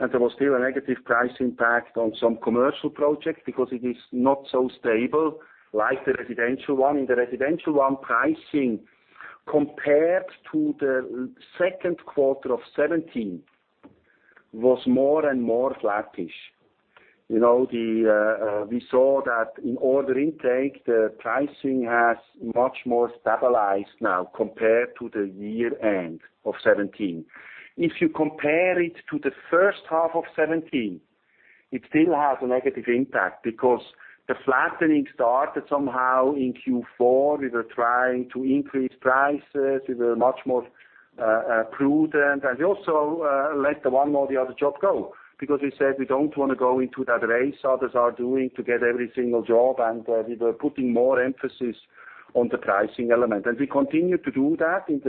and there was still a negative price impact on some commercial projects because it is not so stable like the residential one. In the residential one, pricing compared to the second quarter of 2017 was more and more flattish. We saw that in order intake, the pricing has much more stabilized now compared to the year-end of 2017. If you compare it to the first half of 2017, it still has a negative impact because the flattening started somehow in Q4. We were trying to increase prices. We were much more prudent. We also let one or the other job go because we said we don't want to go into that race others are doing to get every single job, and we were putting more emphasis on the pricing element. We continued to do that in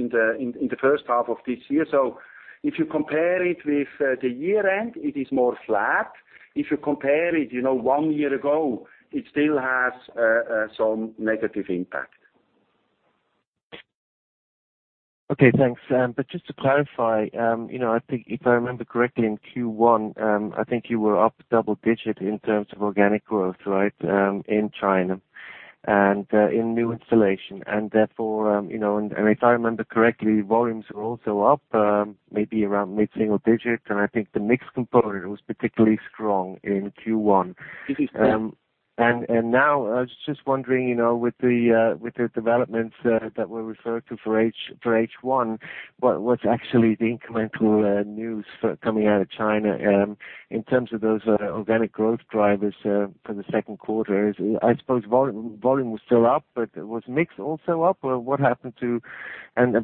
the first half of this year. If you compare it with the year-end, it is more flat. If you compare it one year ago, it still has some negative impact. Thanks. Just to clarify, I think if I remember correctly, in Q1, I think you were up double digit in terms of organic growth, right, in China and in new installation. If I remember correctly, volumes were also up, maybe around mid-single digit. I think the mix component was particularly strong in Q1. It is correct. Now I was just wondering, with the developments that were referred to for H1, what's actually the incremental news coming out of China in terms of those organic growth drivers for the second quarter? I suppose volume was still up, but was mix also up?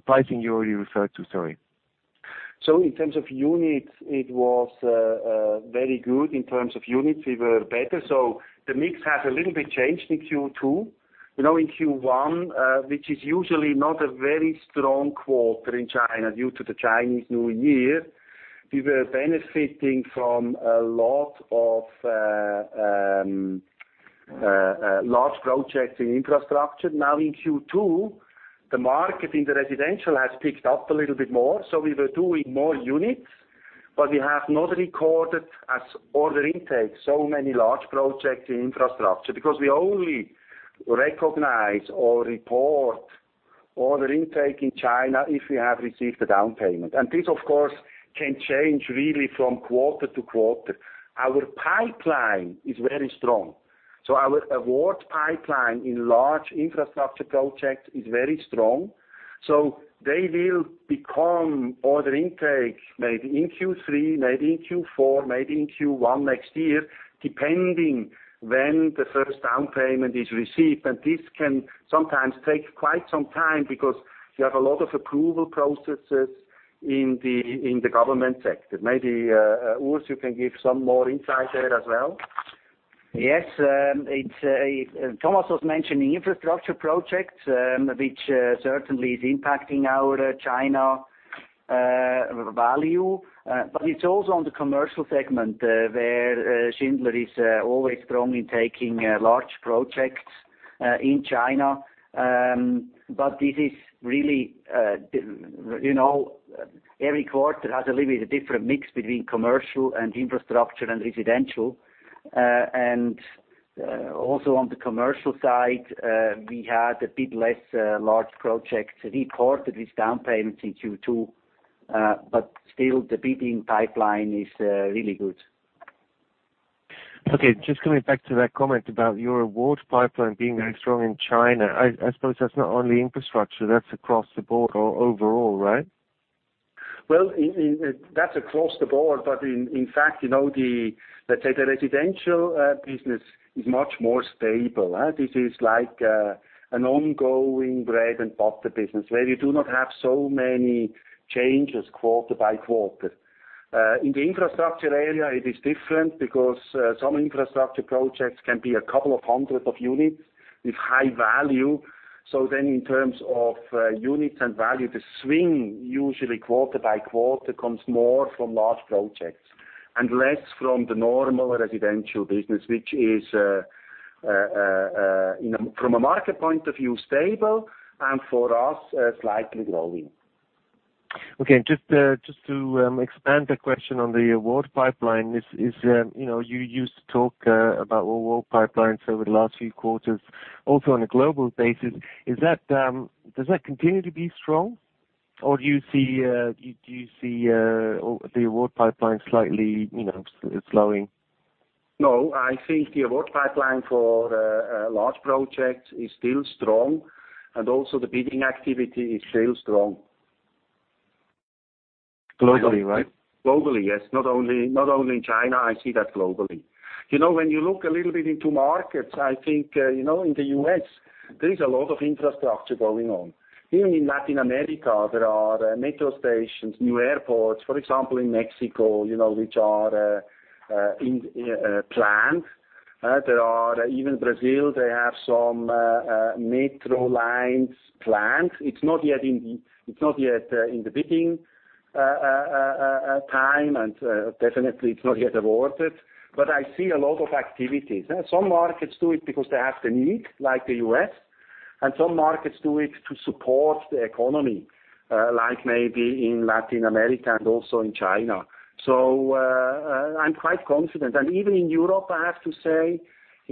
Pricing you already referred to. Sorry. In terms of units, it was very good. In terms of units, we were better. The mix has a little bit changed in Q2. In Q1, which is usually not a very strong quarter in China due to the Chinese New Year, we were benefiting from a lot of large projects in infrastructure. In Q2, the market in the residential has picked up a little bit more, so we were doing more units, but we have not recorded as order intake so many large projects in infrastructure because we only recognize or report order intake in China if we have received a down payment. This, of course, can change really from quarter to quarter. Our pipeline is very strong. Our award pipeline in large infrastructure projects is very strong. They will become order intake, maybe in Q3, maybe in Q4, maybe in Q1 next year, depending when the first down payment is received. This can sometimes take quite some time because you have a lot of approval processes in the government sector. Maybe, Urs, you can give some more insight there as well. Yes. Thomas was mentioning infrastructure projects, which certainly is impacting our China value. It's also on the commercial segment, where Schindler is always strongly taking large projects in China. Every quarter has a little bit different mix between commercial and infrastructure and residential. Also on the commercial side, we had a bit less large projects reported with down payment in Q2. Still, the bidding pipeline is really good. Okay. Just coming back to that comment about your award pipeline being very strong in China. I suppose that's not only infrastructure, that's across the board or overall, right? That's across the board, but in fact, let's say the residential business is much more stable. This is like an ongoing bread-and-butter business, where you do not have so many changes quarter by quarter. In the infrastructure area, it is different because some infrastructure projects can be a couple of 100 units with high value. In terms of units and value, the swing usually quarter by quarter comes more from large projects and less from the normal residential business, which is, from a market point of view, stable and for us, slightly growing. Okay. Just to expand the question on the award pipeline, you used to talk about award pipelines over the last few quarters, also on a global basis. Does that continue to be strong, or do you see the award pipeline slightly slowing? No, I think the award pipeline for large projects is still strong, and also the bidding activity is still strong. Globally, right? Globally, yes. Not only in China. I see that globally. When you look a little bit into markets, I think, in the U.S., there's a lot of infrastructure going on. Even in Latin America, there are metro stations, new airports, for example, in Mexico, which are in planned. Even Brazil, they have some metro lines planned. It's not yet in the bidding time, and definitely it's not yet awarded, but I see a lot of activities. Some markets do it because they have the need, like the U.S., and some markets do it to support the economy, like maybe in Latin America and also in China. I'm quite confident. Even in Europe, I have to say,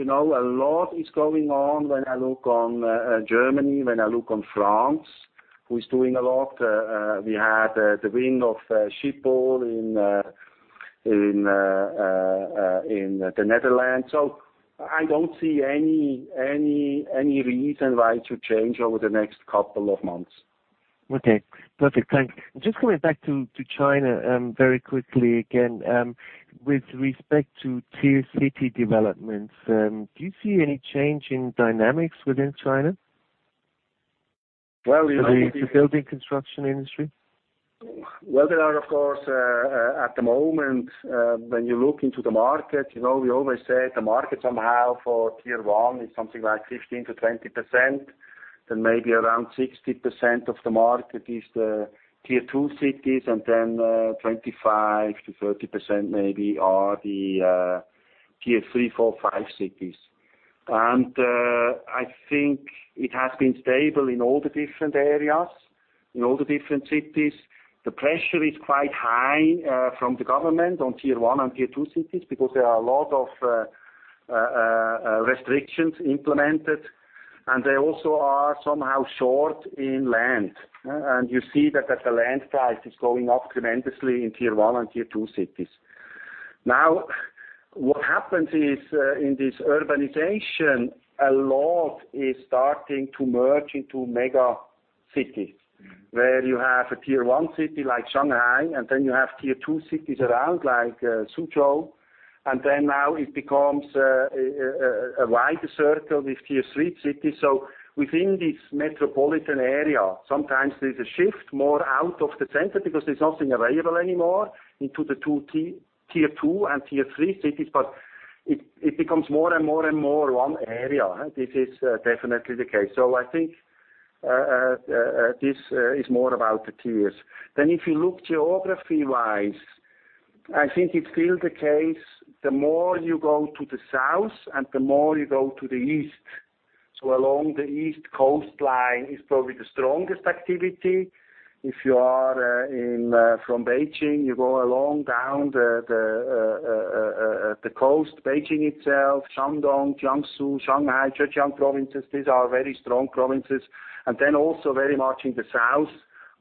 a lot is going on when I look on Germany, when I look on France, who's doing a lot. We had the win of Schiphol in the Netherlands. I don't see any reason why it should change over the next couple of months. Okay. Perfect. Thanks. Just coming back to China very quickly again. With respect to Tier 3 city developments, do you see any change in dynamics within China? Well, The building construction industry? Well, there are, of course, at the moment, when you look into the market, we always say the market somehow for Tier 1 is something like 15%-20%, then maybe around 60% of the market is the Tier 2 cities, and then 25%-30% maybe are the Tier 3, 4, 5 cities. I think it has been stable in all the different areas, in all the different cities. The pressure is quite high from the government on Tier 1 and Tier 2 cities because there are a lot of restrictions implemented, and they also are somehow short in land. You see that the land price is going up tremendously in Tier 1 and Tier 2 cities. What happens is in this urbanization, a lot is starting to merge into mega cities, where you have a Tier 1 city like Shanghai, you have Tier 2 cities around like Suzhou, it becomes a wider circle with Tier 3 cities. Within this metropolitan area, sometimes there's a shift more out of the center because there's nothing available anymore into the Tier 2 and Tier 3 cities, but it becomes more and more and more one area. This is definitely the case. I think this is more about the tiers. If you look geography-wise, I think it's still the case, the more you go to the south and the more you go to the east. Along the east coastline is probably the strongest activity. If you are from Beijing, you go along down the coast, Beijing itself, Shandong, Jiangsu, Shanghai, Zhejiang provinces. These are very strong provinces. Also very much in the south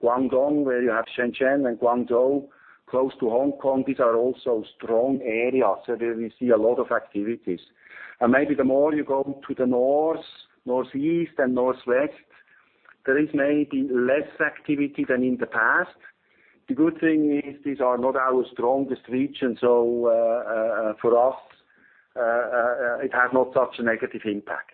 Guangdong, where you have Shenzhen and Guangzhou, close to Hong Kong. These are also strong areas where we see a lot of activities. Maybe the more you go to the north, northeast and northwest, there is maybe less activity than in the past. The good thing is, these are not our strongest regions, for us, it has not such a negative impact.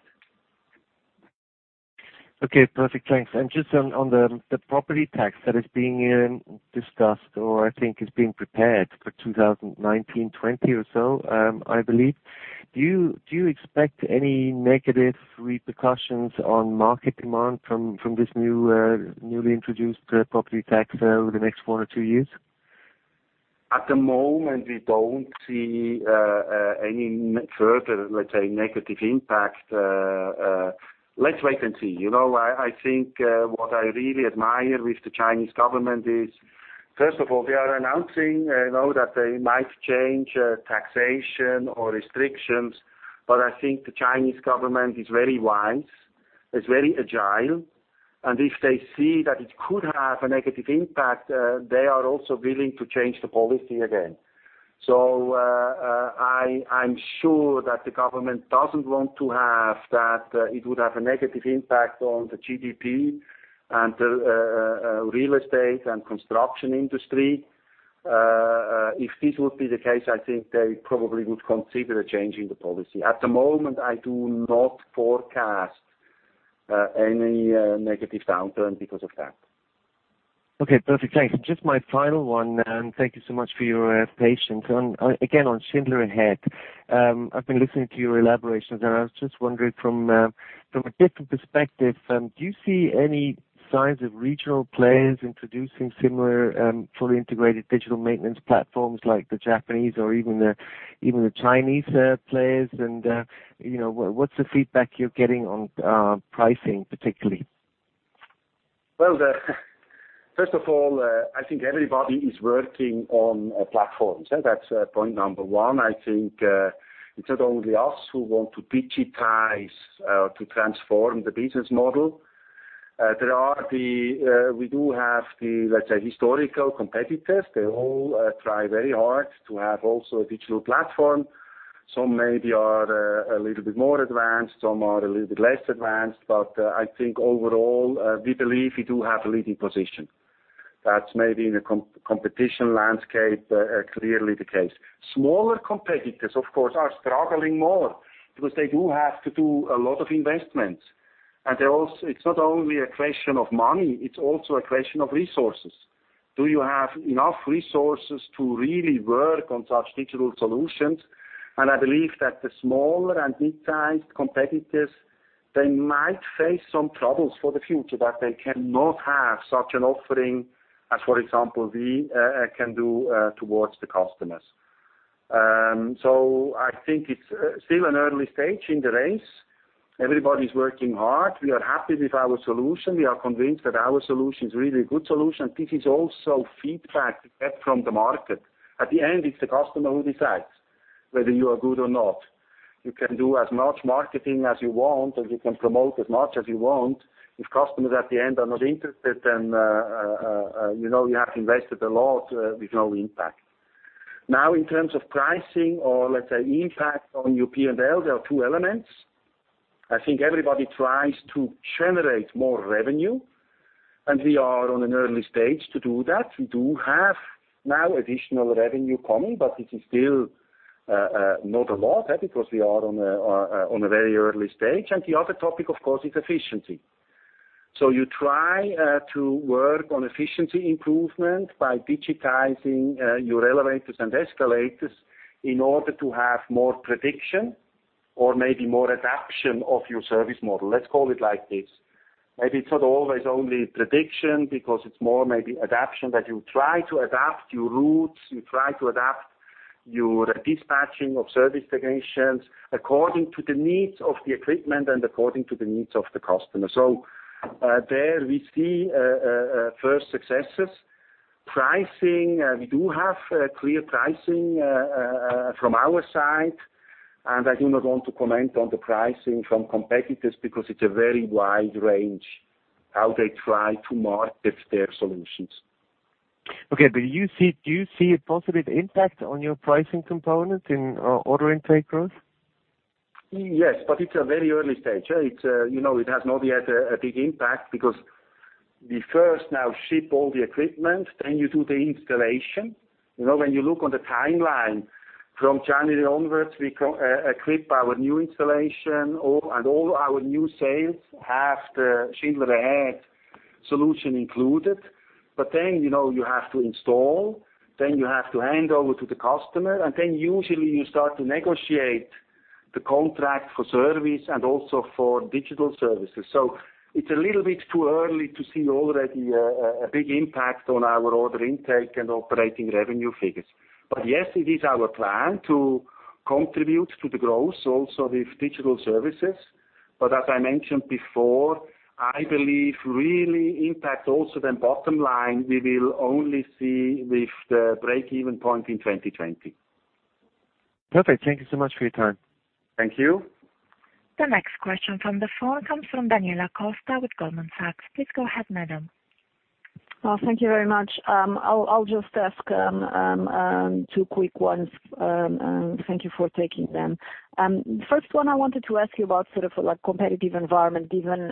Okay, perfect. Thanks. Just on the property tax that is being discussed, or I think is being prepared for 2019, 2020 or so, I believe. Do you expect any negative repercussions on market demand from this newly introduced property tax over the next one or two years? At the moment, we don't see any further, let's say, negative impact. Let's wait and see. I think what I really admire with the Chinese government is, first of all, they are announcing now that they might change taxation or restrictions, I think the Chinese government is very wise, it's very agile, if they see that it could have a negative impact, they are also willing to change the policy again. I'm sure that the government doesn't want to have that it would have a negative impact on the GDP and the real estate and construction industry. If this would be the case, I think they probably would consider changing the policy. At the moment, I do not forecast any negative downturn because of that. Okay, perfect. Thanks. Thank you so much for your patience. Again, on Schindler Ahead, I've been listening to your elaborations. I was just wondering from a different perspective, do you see any signs of regional players introducing similar fully integrated digital maintenance platforms like the Japanese or even the Chinese players? What's the feedback you're getting on pricing, particularly? Well, first of all, I think everybody is working on platforms. That's point number 1. I think it's not only us who want to digitize to transform the business model. We do have the, let's say, historical competitors. They all try very hard to have also a digital platform. Some maybe are a little bit more advanced, some are a little bit less advanced. I think overall, we believe we do have a leading position. That's maybe in the competition landscape, clearly the case. Smaller competitors, of course, are struggling more because they do have to do a lot of investments. It's not only a question of money, it's also a question of resources. Do you have enough resources to really work on such digital solutions? I believe that the smaller and mid-sized competitors, they might face some troubles for the future, that they cannot have such an offering as, for example, we can do towards the customers. I think it's still an early stage in the race. Everybody's working hard. We are happy with our solution. We are convinced that our solution is really a good solution. This is also feedback we get from the market. At the end, it's the customer who decides whether you are good or not. You can do as much marketing as you want, and you can promote as much as you want. If customers at the end are not interested, then you know you have invested a lot with no impact. Now, in terms of pricing or, let's say, impact on your P&L, there are 2 elements. I think everybody tries to generate more revenue. We are on an early stage to do that. We do have now additional revenue coming. It is still not a lot because we are on a very early stage. The other topic, of course, is efficiency. You try to work on efficiency improvement by digitizing your elevators and escalators in order to have more prediction or maybe more adaption of your service model. Let's call it like this. Maybe it's not always only prediction because it's more maybe adaption, that you try to adapt your routes, you try to adapt your dispatching of service technicians according to the needs of the equipment and according to the needs of the customer. There we see first successes. Pricing, we do have clear pricing from our side. I do not want to comment on the pricing from competitors because it is a very wide range how they try to market their solutions. Okay, do you see a positive impact on your pricing component in order intake growth? Yes, it's a very early stage. It has not yet a big impact because we first now ship all the equipment, then you do the installation. When you look on the timeline from January onwards, we equip our new installation, and all our new sales have the Schindler Ahead solution included. You have to install, then you have to hand over to the customer, and then usually you start to negotiate the contract for service and also for digital services. It's a little bit too early to see already a big impact on our order intake and operating revenue figures. Yes, it is our plan to contribute to the growth also with digital services. As I mentioned before, I believe really impact also then bottom line, we will only see with the break-even point in 2020. Perfect. Thank you so much for your time. Thank you. The next question from the phone comes from Daniela Costa with Goldman Sachs. Please go ahead, madam. Well, thank you very much. I'll just ask two quick ones. Thank you for taking them. First one, I wanted to ask you about competitive environment, given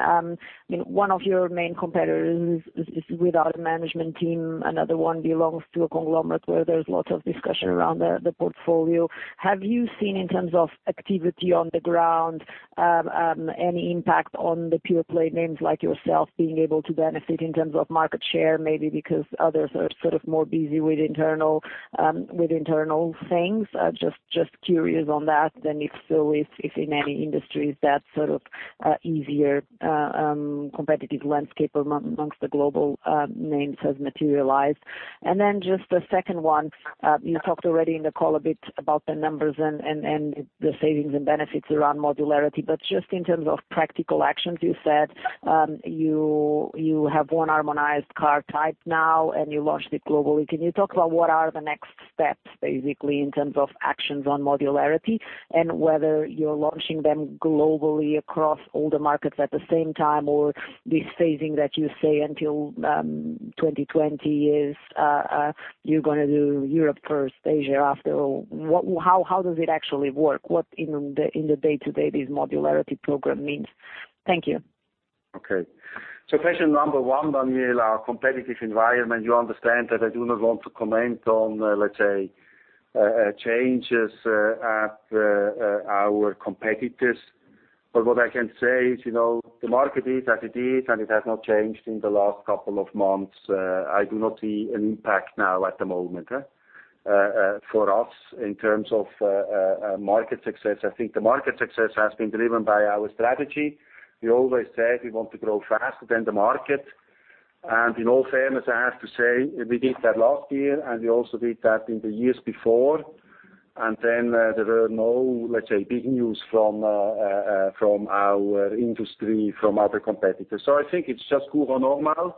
one of your main competitors is without a management team, another one belongs to a conglomerate where there's lots of discussion around the portfolio. Have you seen, in terms of activity on the ground, any impact on the pure play names like yourself being able to benefit in terms of market share, maybe because others are more busy with internal things? Just curious on that, then if so, if in any industries that easier competitive landscape amongst the global names has materialized. Just the second one, you talked already in the call a bit about the numbers and the savings and benefits around modularity. Just in terms of practical actions, you said you have one harmonized car type now, and you launched it globally. Can you talk about what are the next steps, basically, in terms of actions on modularity? And whether you're launching them globally across all the markets at the same time or this phasing that you say until 2020 is you're going to do Europe first, Asia after all. How does it actually work? What in the day-to-day this modularity program means? Thank you. Okay. Question number one, Daniela, our competitive environment, you understand that I do not want to comment on, let's say, changes at our competitors. What I can say is, the market is as it is, and it has not changed in the last couple of months. I do not see an impact now at the moment for us in terms of market success. I think the market success has been driven by our strategy. We always said we want to grow faster than the market, and in all fairness, I have to say, we did that last year, and we also did that in the years before. Then there were no, let's say, big news from our industry, from other competitors. I think it's just course normal.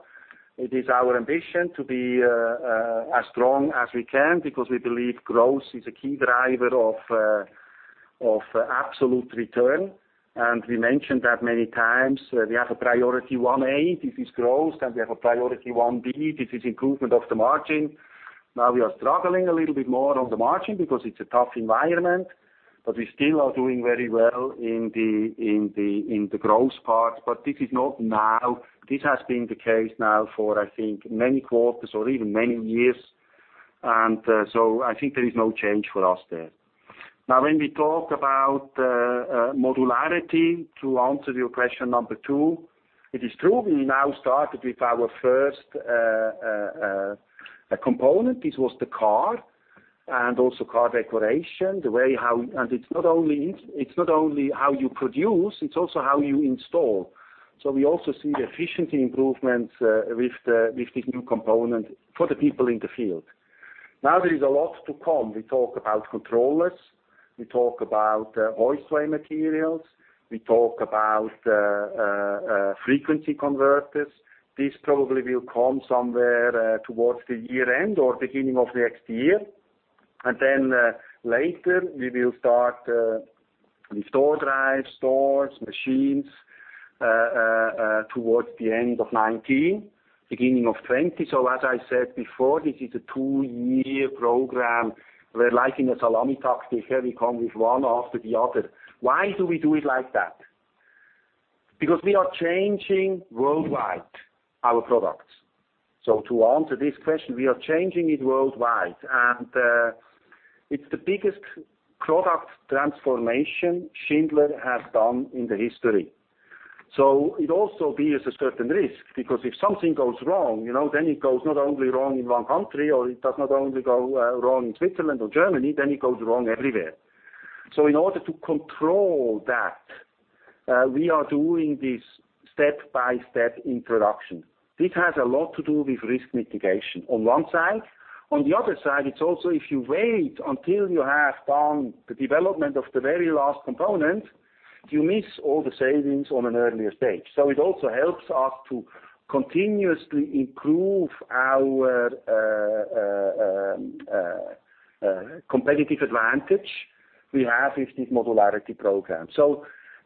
It is our ambition to be as strong as we can because we believe growth is a key driver of absolute return. We mentioned that many times. We have a priority 1A, this is growth, and we have a priority 1B, this is improvement of the margin. We are struggling a little bit more on the margin because it's a tough environment, but we still are doing very well in the growth part. This is not now. This has been the case now for, I think, many quarters or even many years. I think there is no change for us there. When we talk about modularity, to answer your question number 2, it is true we now started with our first component. This was the car and also car decoration. It's not only how you produce, it's also how you install. We also see the efficiency improvements with this new component for the people in the field. There is a lot to come. We talk about controllers, we talk about hoistway materials, we talk about frequency converters. This probably will come somewhere towards the year-end or beginning of next year. Then later we will start with door drives, doors, machines towards the end of 2019, beginning of 2020. As I said before, this is a 2-year program where like in a salami tactic, we come with one after the other. Why do we do it like that? Because we are changing worldwide our products. To answer this question, we are changing it worldwide, and it's the biggest product transformation Schindler has done in the history. It also bears a certain risk because if something goes wrong, then it goes not only wrong in one country or it does not only go wrong in Switzerland or Germany, then it goes wrong everywhere. In order to control that, we are doing this step-by-step introduction. This has a lot to do with risk mitigation on one side. On the other side, it's also if you wait until you have done the development of the very last component, you miss all the savings on an earlier stage. It also helps us to continuously improve our competitive advantage we have with this modularity program.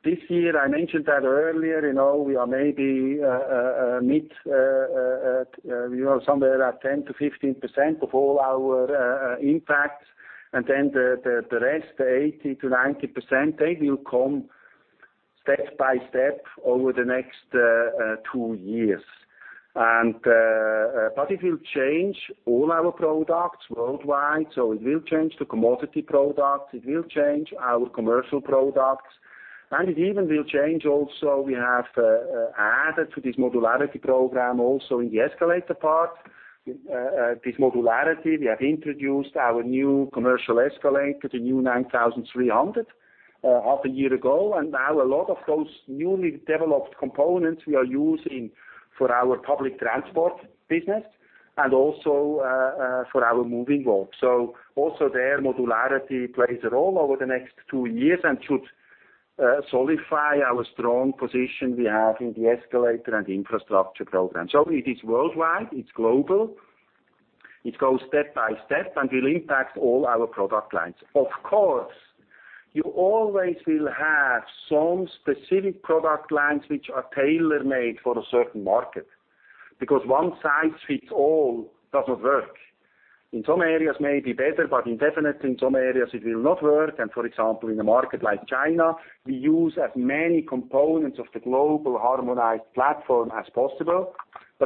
This year, I mentioned that earlier, we are maybe mid at somewhere around 10%-15% of all our impact, the rest, 80%-90%, they will come step by step over the next 2 years. It will change all our products worldwide. It will change the commodity products, it will change our commercial products, it even will change. Also, we have added to this modularity program also in the escalator part. This modularity. We have introduced our new commercial escalator, the new 9300, half a year ago, and now a lot of those newly developed components we are using for our public transport business and also for our moving walk. Also there, modularity plays a role over the next 2 years and should solidify our strong position we have in the escalator and infrastructure program. It is worldwide, it's global. It goes step by step and will impact all our product lines. Of course, you always will have some specific product lines which are tailor-made for a certain market, because one-size-fits-all does not work. In some areas may be better, but definitely in some areas it will not work. For example, in a market like China, we use as many components of the global harmonized platform as possible.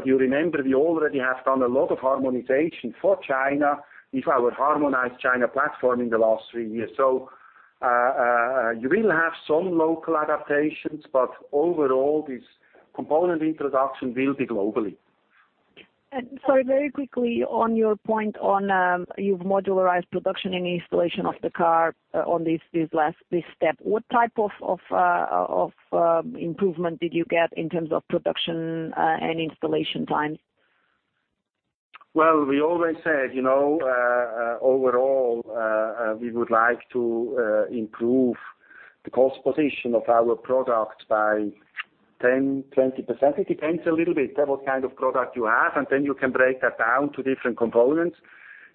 You remember, we already have done a lot of harmonization for China with our harmonized China platform in the last three years. You will have some local adaptations, but overall, this component introduction will be globally. Sorry, very quickly on your point on, you've modularized production and installation of the car on this step. What type of improvement did you get in terms of production, and installation times? We always said, overall, we would like to improve the cost position of our product by 10%-20%. It depends a little bit what kind of product you have, then you can break that down to different components.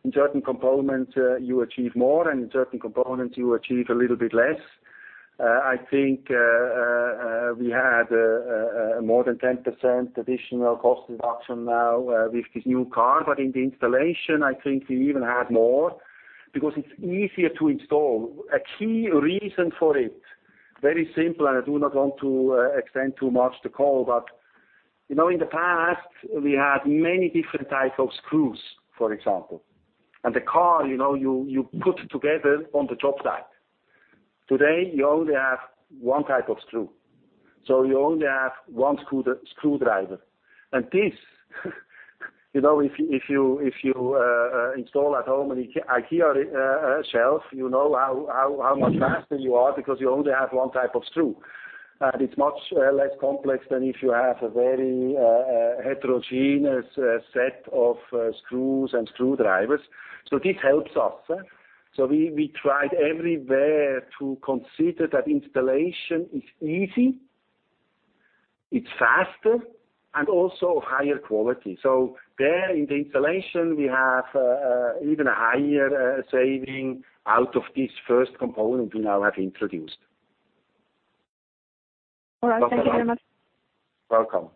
In certain components, you achieve more, and in certain components, you achieve a little bit less. I think we had more than 10% additional cost reduction now, with this new car. In the installation, I think we even had more because it's easier to install. A key reason for it, very simple. I do not want to extend too much the call. In the past, we had many different types of screws, for example. The car, you put it together on the job site. Today, you only have 1 type of screw, so you only have one screwdriver. This if you install at home an IKEA shelf, you know how much faster you are because you only have one type of screw. It's much less complex than if you have a very heterogeneous set of screws and screwdrivers. This helps us. We tried everywhere to consider that installation is easy, it's faster, and also of higher quality. There in the installation, we have even a higher saving out of this first component we now have introduced. All right. Thank you very much. Welcome.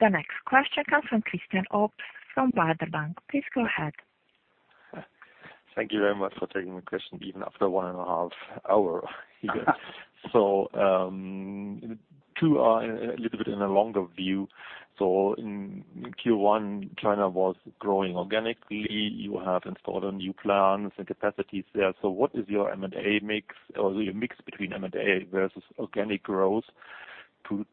The next question comes from Christian Obst from Baader Bank. Please go ahead. Thank you very much for taking the question even after one and a half hour here. Two are a little bit in a longer view. In Q1, China was growing organically. You have installed new plants and capacities there. What is your M&A mix or your mix between M&A versus organic growth to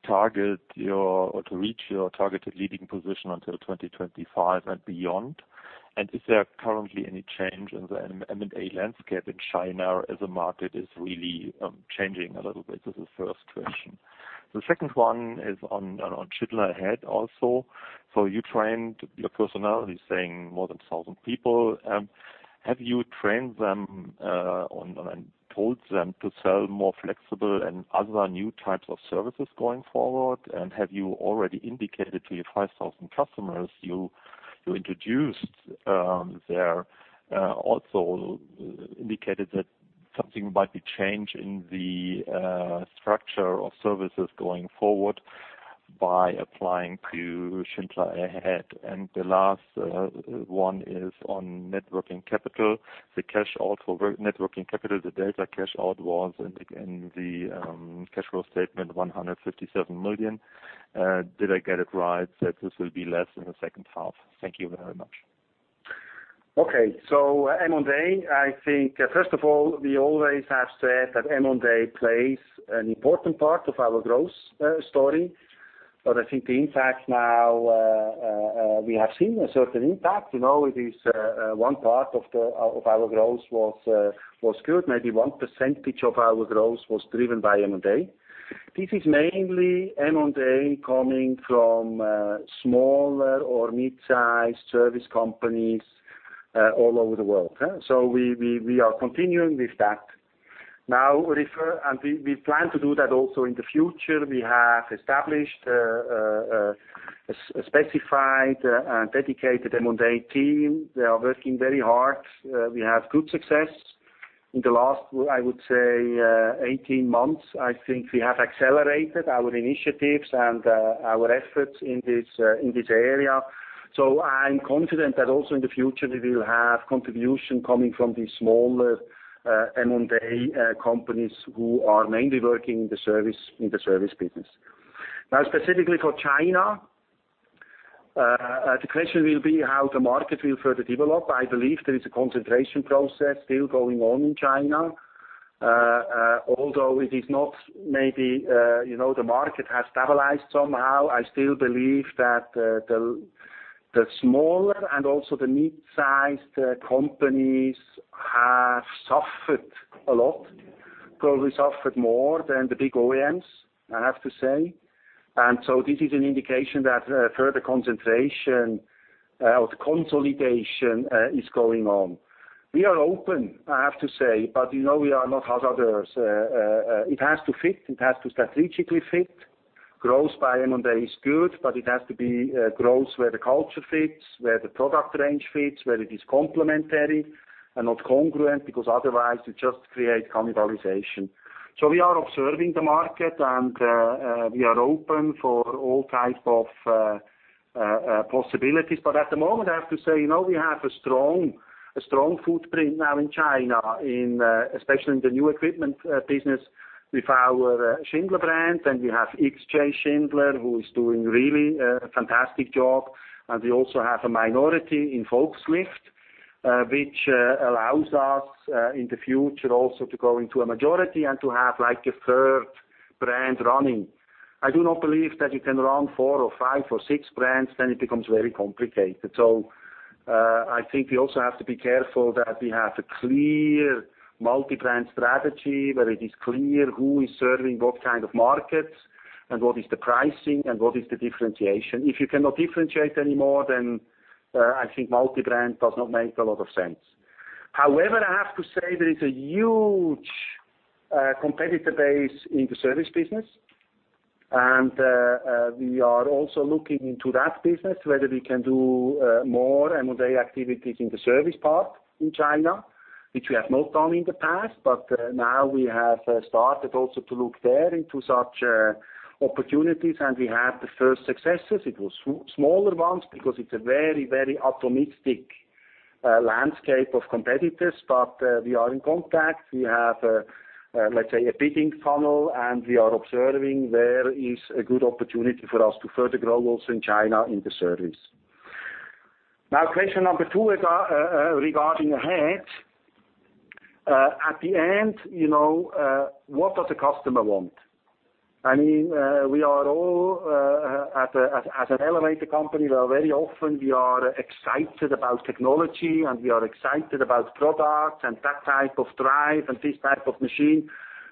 reach your targeted leading position until 2025 and beyond? Is there currently any change in the M&A landscape in China as the market is really changing a little bit? This is the first question. The second one is on Schindler Ahead also. You trained your personnel, you're saying more than 1,000 people. Have you trained them, and told them to sell more flexible and other new types of services going forward? Have you already indicated to your 5,000 customers you introduced there, also indicated that something might be changed in the structure of services going forward by applying to Schindler Ahead? The last one is on net working capital. The cash out for net working capital, the delta cash out was in the cash flow statement 157 million. Did I get it right that this will be less in the second half? Thank you very much. M&A, I think, first of all, we always have said that M&A plays an important part of our growth story. I think the impact now, we have seen a certain impact. It is one part of our growth was good. Maybe one percentage of our growth was driven by M&A. This is mainly M&A coming from smaller or mid-size service companies all over the world. We are continuing with that. We plan to do that also in the future. We have established a specified and dedicated M&A team. They are working very hard. We have good success. In the last, I would say, 18 months, I think we have accelerated our initiatives and our efforts in this area. I'm confident that also in the future, we will have contribution coming from these smaller M&A companies who are mainly working in the service business. Now, specifically for China, the question will be how the market will further develop. I believe there is a concentration process still going on in China. Although it is not maybe the market has stabilized somehow, I still believe that the smaller and also the mid-sized companies have suffered a lot. Probably suffered more than the big OEMs, I have to say. This is an indication that further concentration of consolidation is going on. We are open, I have to say, but we are not others. It has to strategically fit. Growth by M&A is good, it has to be growth where the culture fits, where the product range fits, where it is complementary and not congruent, because otherwise you just create cannibalization. We are observing the market and we are open for all type of possibilities. At the moment, I have to say, we have a strong footprint now in China, especially in the new equipment business with our Schindler brand. We have XJ Schindler, who is doing a really fantastic job. We also have a minority in Volkslift, which allows us in the future also to go into a majority and to have a third brand running. I do not believe that you can run four or five or six brands, then it becomes very complicated. We also have to be careful that we have a clear multi-brand strategy, where it is clear who is serving what kind of markets, and what is the pricing and what is the differentiation. If you cannot differentiate anymore, then I think multi-brand does not make a lot of sense. However, I have to say there is a huge competitor base in the service business. We are also looking into that business, whether we can do more M&A activities in the service part in China, which we have not done in the past. Now we have started also to look there into such opportunities, and we have the first successes. It was smaller ones, because it is a very atomistic landscape of competitors, but we are in contact. We have, let's say, a bidding funnel, and we are observing there is a good opportunity for us to further grow also in China in the service. Question number 2 regarding Schindler Ahead. What does the customer want? I mean, as an elevator company, very often we are excited about technology, we are excited about products and that type of drive and this type of machine.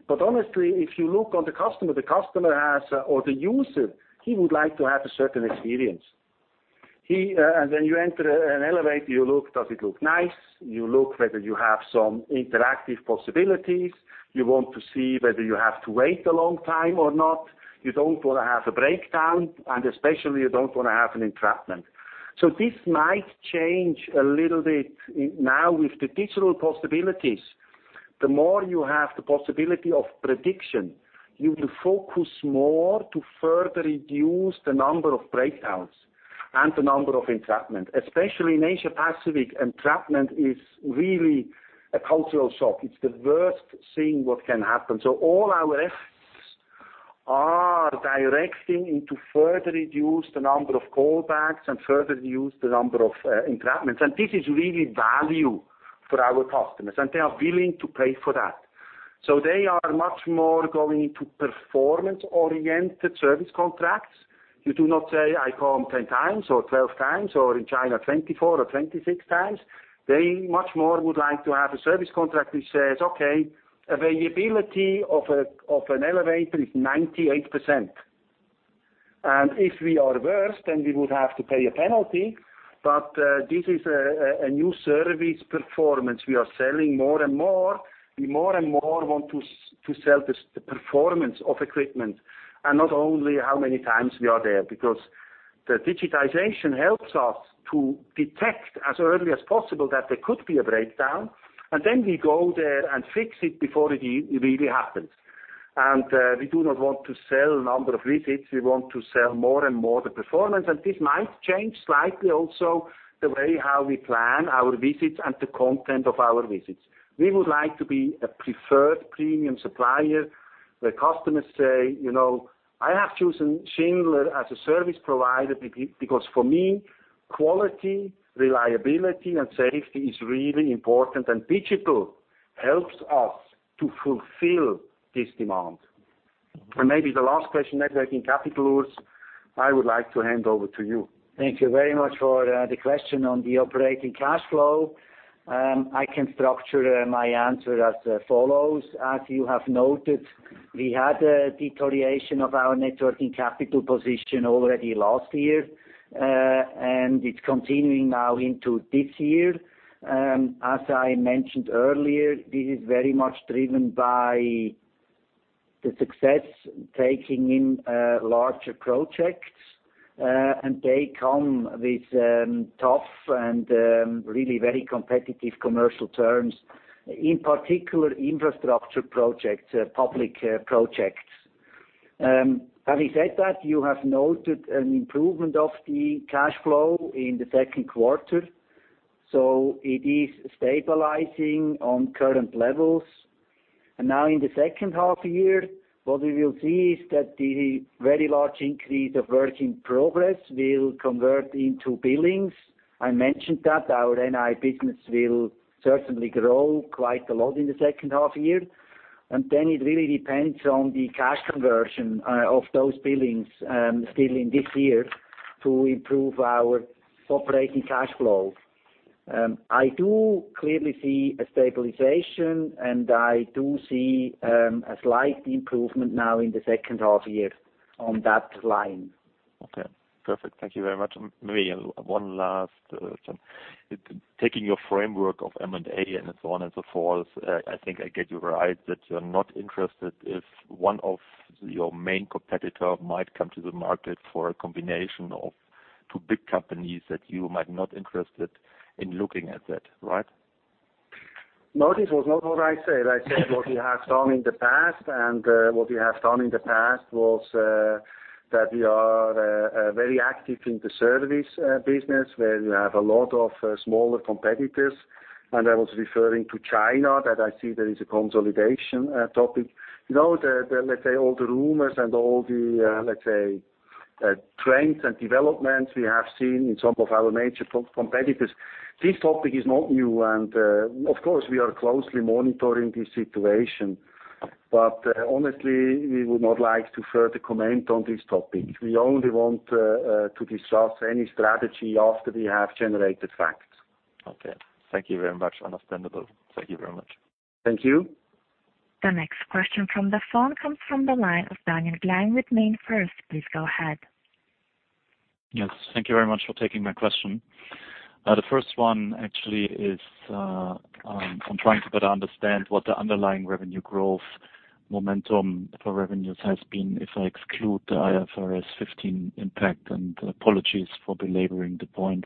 Honestly, if you look on the customer, the customer or the user, he would like to have a certain experience. When you enter an elevator, you look, "Does it look nice?" You look whether you have some interactive possibilities. You want to see whether you have to wait a long time or not. You do not want to have a breakdown, and especially, you do not want to have an entrapment. This might change a little bit now with the digital possibilities. The more you have the possibility of prediction, you will focus more to further reduce the number of breakdowns and the number of entrapments. Especially in Asia Pacific, entrapment is really a cultural shock. It is the worst thing what can happen. All our efforts are directing into further reduce the number of callbacks and further reduce the number of entrapments. This is really value for our customers, and they are willing to pay for that. They are much more going into performance-oriented service contracts. You do not say, "I call them 10 times or 12 times," or in China, "24 or 26 times." They much more would like to have a service contract which says, "Okay, availability of an elevator is 98%. If we are worse, then we would have to pay a penalty." This is a new service performance we are selling more and more. We more and more want to sell the performance of equipment, not only how many times we are there. The digitization helps us to detect as early as possible that there could be a breakdown, then we go there and fix it before it really happens. We do not want to sell number of visits, we want to sell more and more the performance. This might change slightly also the way how we plan our visits and the content of our visits. We would like to be a preferred premium supplier where customers say, "I have chosen Schindler as a service provider because for me, quality, reliability and safety is really important." Digital helps us to fulfill this demand. Maybe the last question, networking capital, Urs, I would like to hand over to you. Thank you very much for the question on the operating cash flow. I can structure my answer as follows. As you have noted, we had a deterioration of our networking capital position already last year, and it's continuing now into this year. As I mentioned earlier, this is very much driven by the success taking in larger projects. They come with tough and really very competitive commercial terms, in particular infrastructure projects, public projects. Having said that, you have noted an improvement of the cash flow in the second quarter. It is stabilizing on current levels. Now in the second half year, what we will see is that the very large increase of work in progress will convert into billings. I mentioned that our NI business will certainly grow quite a lot in the second half year. It really depends on the cash conversion of those billings still in this year to improve our operating cash flow. I do clearly see a stabilization, and I do see a slight improvement now in the second half year on that line. Okay, perfect. Thank you very much. Maybe one last. Taking your framework of M&A and so on and so forth, I think I get you right that you're not interested if one of your main competitor might come to the market for a combination of two big companies that you might not interested in looking at that, right? No, this was not what I said. I said what we have done in the past, what we have done in the past was that we are very active in the service business, where we have a lot of smaller competitors. I was referring to China that I see there is a consolidation topic. Let's say all the rumors and all the trends and developments we have seen in some of our major competitors, this topic is not new. Of course, we are closely monitoring the situation. Honestly, we would not like to further comment on this topic. We only want to discuss any strategy after we have generated facts. Okay. Thank you very much. Understandable. Thank you very much. Thank you. The next question from the phone comes from the line of Daniel Gleim with MainFirst. Please go ahead. Yes. Thank you very much for taking my question. The first one actually is, I'm trying to better understand what the underlying revenue growth momentum for revenues has been if I exclude the IFRS 15 impact, and apologies for belaboring the point.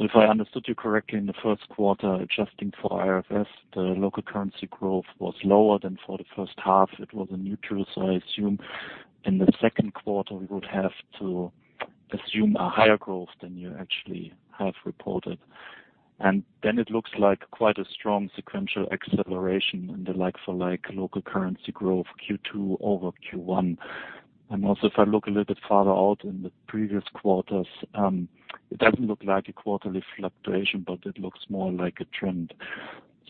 If I understood you correctly, in the first quarter, adjusting for IFRS, the local currency growth was lower than for the first half. It was a neutral, I assume in the second quarter, we would have to assume a higher growth than you actually have reported. Then it looks like quite a strong sequential acceleration in the like for like local currency growth Q2 over Q1. Also, if I look a little bit farther out in the previous quarters, it doesn't look like a quarterly fluctuation, but it looks more like a trend.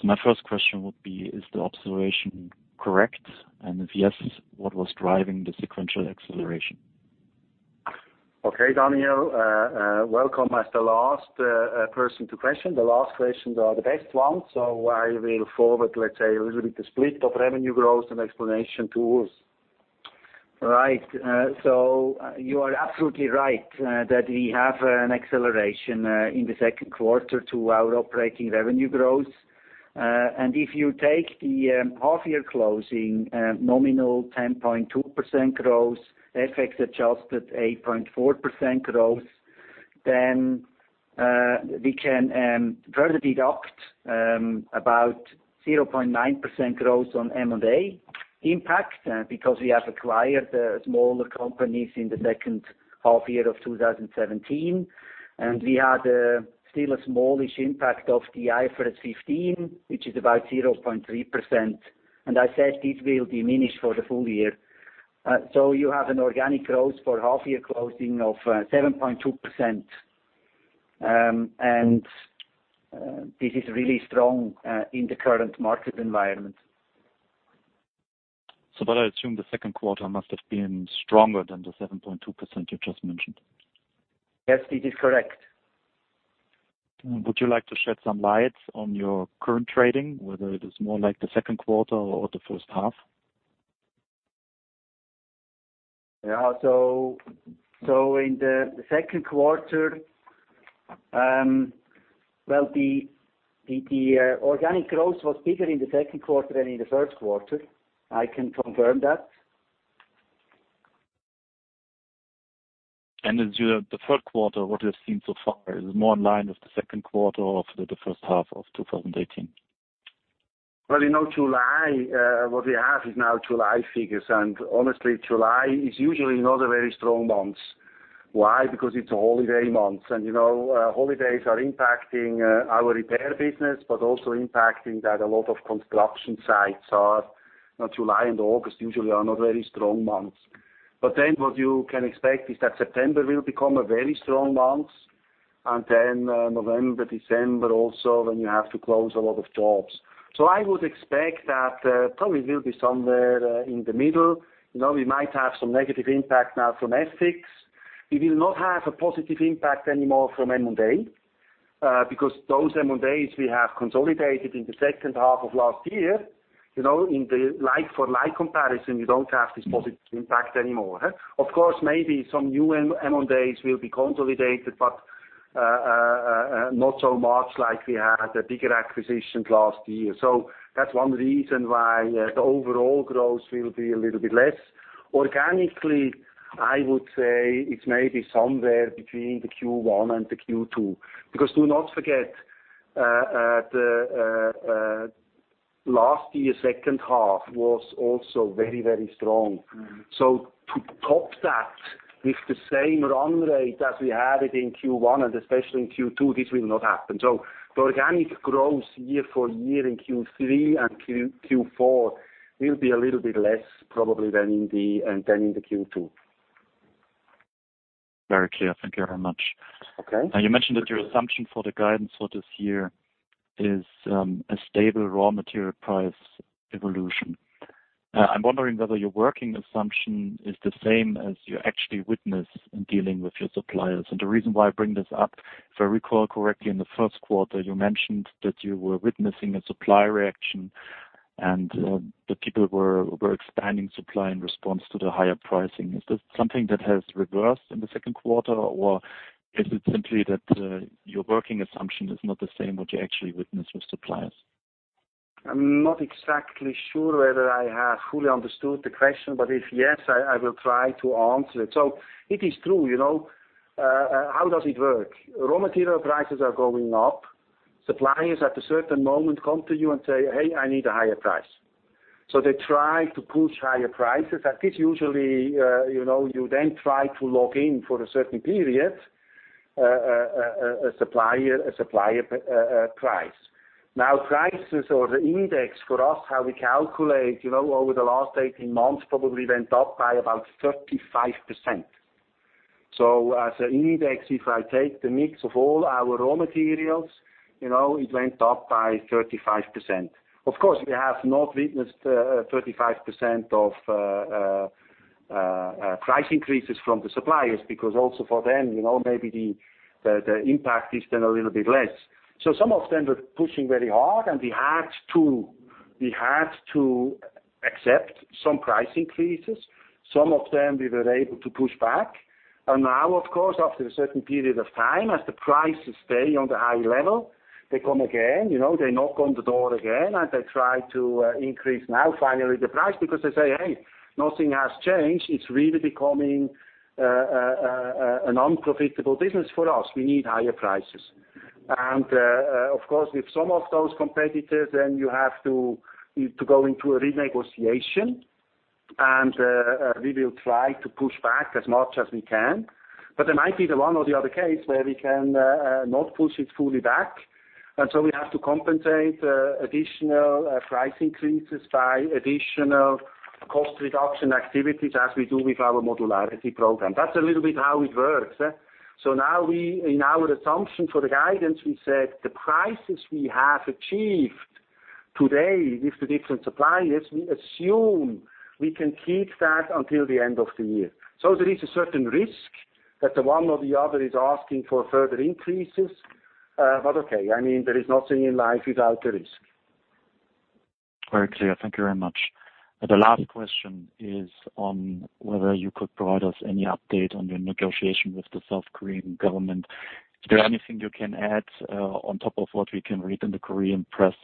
My first question would be, is the observation correct? If yes, what was driving the sequential acceleration? Okay, Daniel. Welcome as the last person to question. The last questions are the best ones, I will forward, let's say a little bit the split of revenue growth and explanation to Urs. Right. You are absolutely right that we have an acceleration in the second quarter to our operating revenue growth. If you take the half year closing nominal 10.2% growth, FX adjusted 8.4% growth, then we can further deduct about 0.9% growth on M&A impact because we have acquired smaller companies in the second half year of 2017, and we had still a smallish impact of the IFRS 15, which is about 0.3%. I said this will diminish for the full year. You have an organic growth for half year closing of 7.2%, and this is really strong in the current market environment. I assume the second quarter must have been stronger than the 7.2% you just mentioned. Yes, this is correct. Would you like to shed some light on your current trading, whether it is more like the second quarter or the first half? In the second quarter, well, the organic growth was bigger in the second quarter than in the first quarter. I can confirm that. The third quarter, what you have seen so far is more in line with the second quarter of the first half of 2018? Well, what we have is now July figures, honestly, July is usually not a very strong month. Why? It's a holiday month, holidays are impacting our repair business but also impacting that a lot of construction sites are July and August usually are not very strong months. What you can expect is that September will become a very strong month, and then November, December also, when you have to close a lot of jobs. I would expect that probably will be somewhere in the middle. We might have some negative impact now from FX. We will not have a positive impact anymore from M&A, because those M&As we have consolidated in the second half of last year. In the like for like comparison, we don't have this positive impact anymore. Of course, maybe some new M&As will be consolidated, but not so much like we had a bigger acquisition last year. That's one reason why the overall growth will be a little bit less. Organically, I would say it's maybe somewhere between the Q1 and the Q2, because do not forget, last year second half was also very strong. To top that with the same run rate as we had it in Q1 and especially in Q2, this will not happen. The organic growth year-over-year in Q3 and Q4 will be a little bit less probably than in the Q2. Very clear. Thank you very much. Okay. You mentioned that your assumption for the guidance for this year is a stable raw material price evolution. I'm wondering whether your working assumption is the same as you actually witness in dealing with your suppliers. The reason why I bring this up, if I recall correctly, in the first quarter, you mentioned that you were witnessing a supply reaction and that people were expanding supply in response to the higher pricing. Is this something that has reversed in the second quarter, or is it simply that your working assumption is not the same what you actually witness with suppliers? I'm not exactly sure whether I have fully understood the question, if yes, I will try to answer it. It is true. How does it work? Raw material prices are going up. Suppliers at a certain moment come to you and say, "Hey, I need a higher price." They try to push higher prices. At this usually, you then try to lock in for a certain period, a supplier price. Prices or the index for us, how we calculate, over the last 18 months probably went up by about 35%. As an index, if I take the mix of all our raw materials, it went up by 35%. Of course, we have not witnessed 35% of price increases from the suppliers because also for them, maybe the impact is then a little bit less. Some of them were pushing very hard and we had to accept some price increases. Some of them we were able to push back. Now, of course, after a certain period of time, as the prices stay on the high level, they come again, they knock on the door again and they try to increase now finally the price because they say, "Hey, nothing has changed. It's really becoming an unprofitable business for us. We need higher prices." Of course, with some of those competitors, you have to go into a renegotiation, and we will try to push back as much as we can. There might be the one or the other case where we cannot push it fully back, and so we have to compensate additional price increases by additional cost reduction activities as we do with our modularity program. Now in our assumption for the guidance, we said the prices we have achieved today with the different suppliers, we assume we can keep that until the end of the year. There is a certain risk that the one or the other is asking for further increases. Okay, there is nothing in life without a risk. Very clear. Thank you very much. The last question is on whether you could provide us any update on your negotiation with the South Korean government. Is there anything you can add on top of what we can read in the Korean press,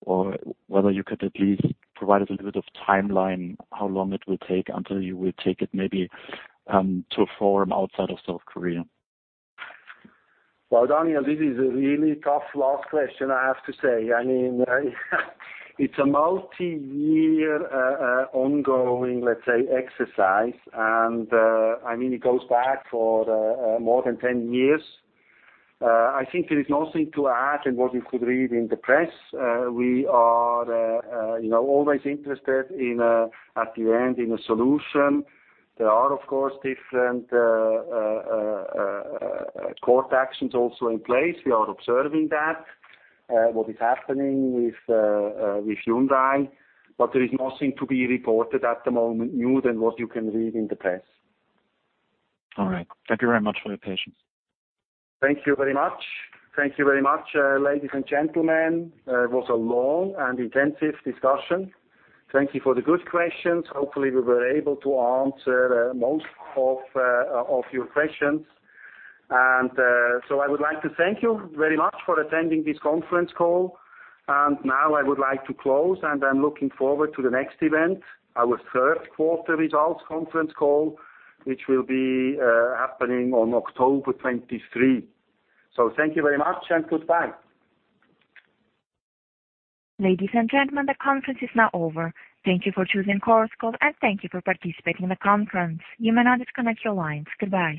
or whether you could at least provide us a little bit of timeline how long it will take until you will take it maybe to a forum outside of South Korea? Well, Daniel, this is a really tough last question, I have to say. It's a multi-year ongoing, let's say, exercise, and it goes back for more than 10 years. I think there is nothing to add in what you could read in the press. We are always interested at the end in a solution. There are, of course, different court actions also in place. We are observing that, what is happening with Hyundai, there is nothing to be reported at the moment new than what you can read in the press. All right. Thank you very much for your patience. Thank you very much. Thank you very much, ladies and gentlemen. It was a long and intensive discussion. Thank you for the good questions. Hopefully, we were able to answer most of your questions. I would like to thank you very much for attending this conference call. Now I would like to close, and I'm looking forward to the next event, our third quarter results conference call, which will be happening on October 23. Thank you very much and goodbye. Ladies and gentlemen, the conference is now over. Thank you for choosing Chorus Call, and thank you for participating in the conference. You may now disconnect your lines. Goodbye.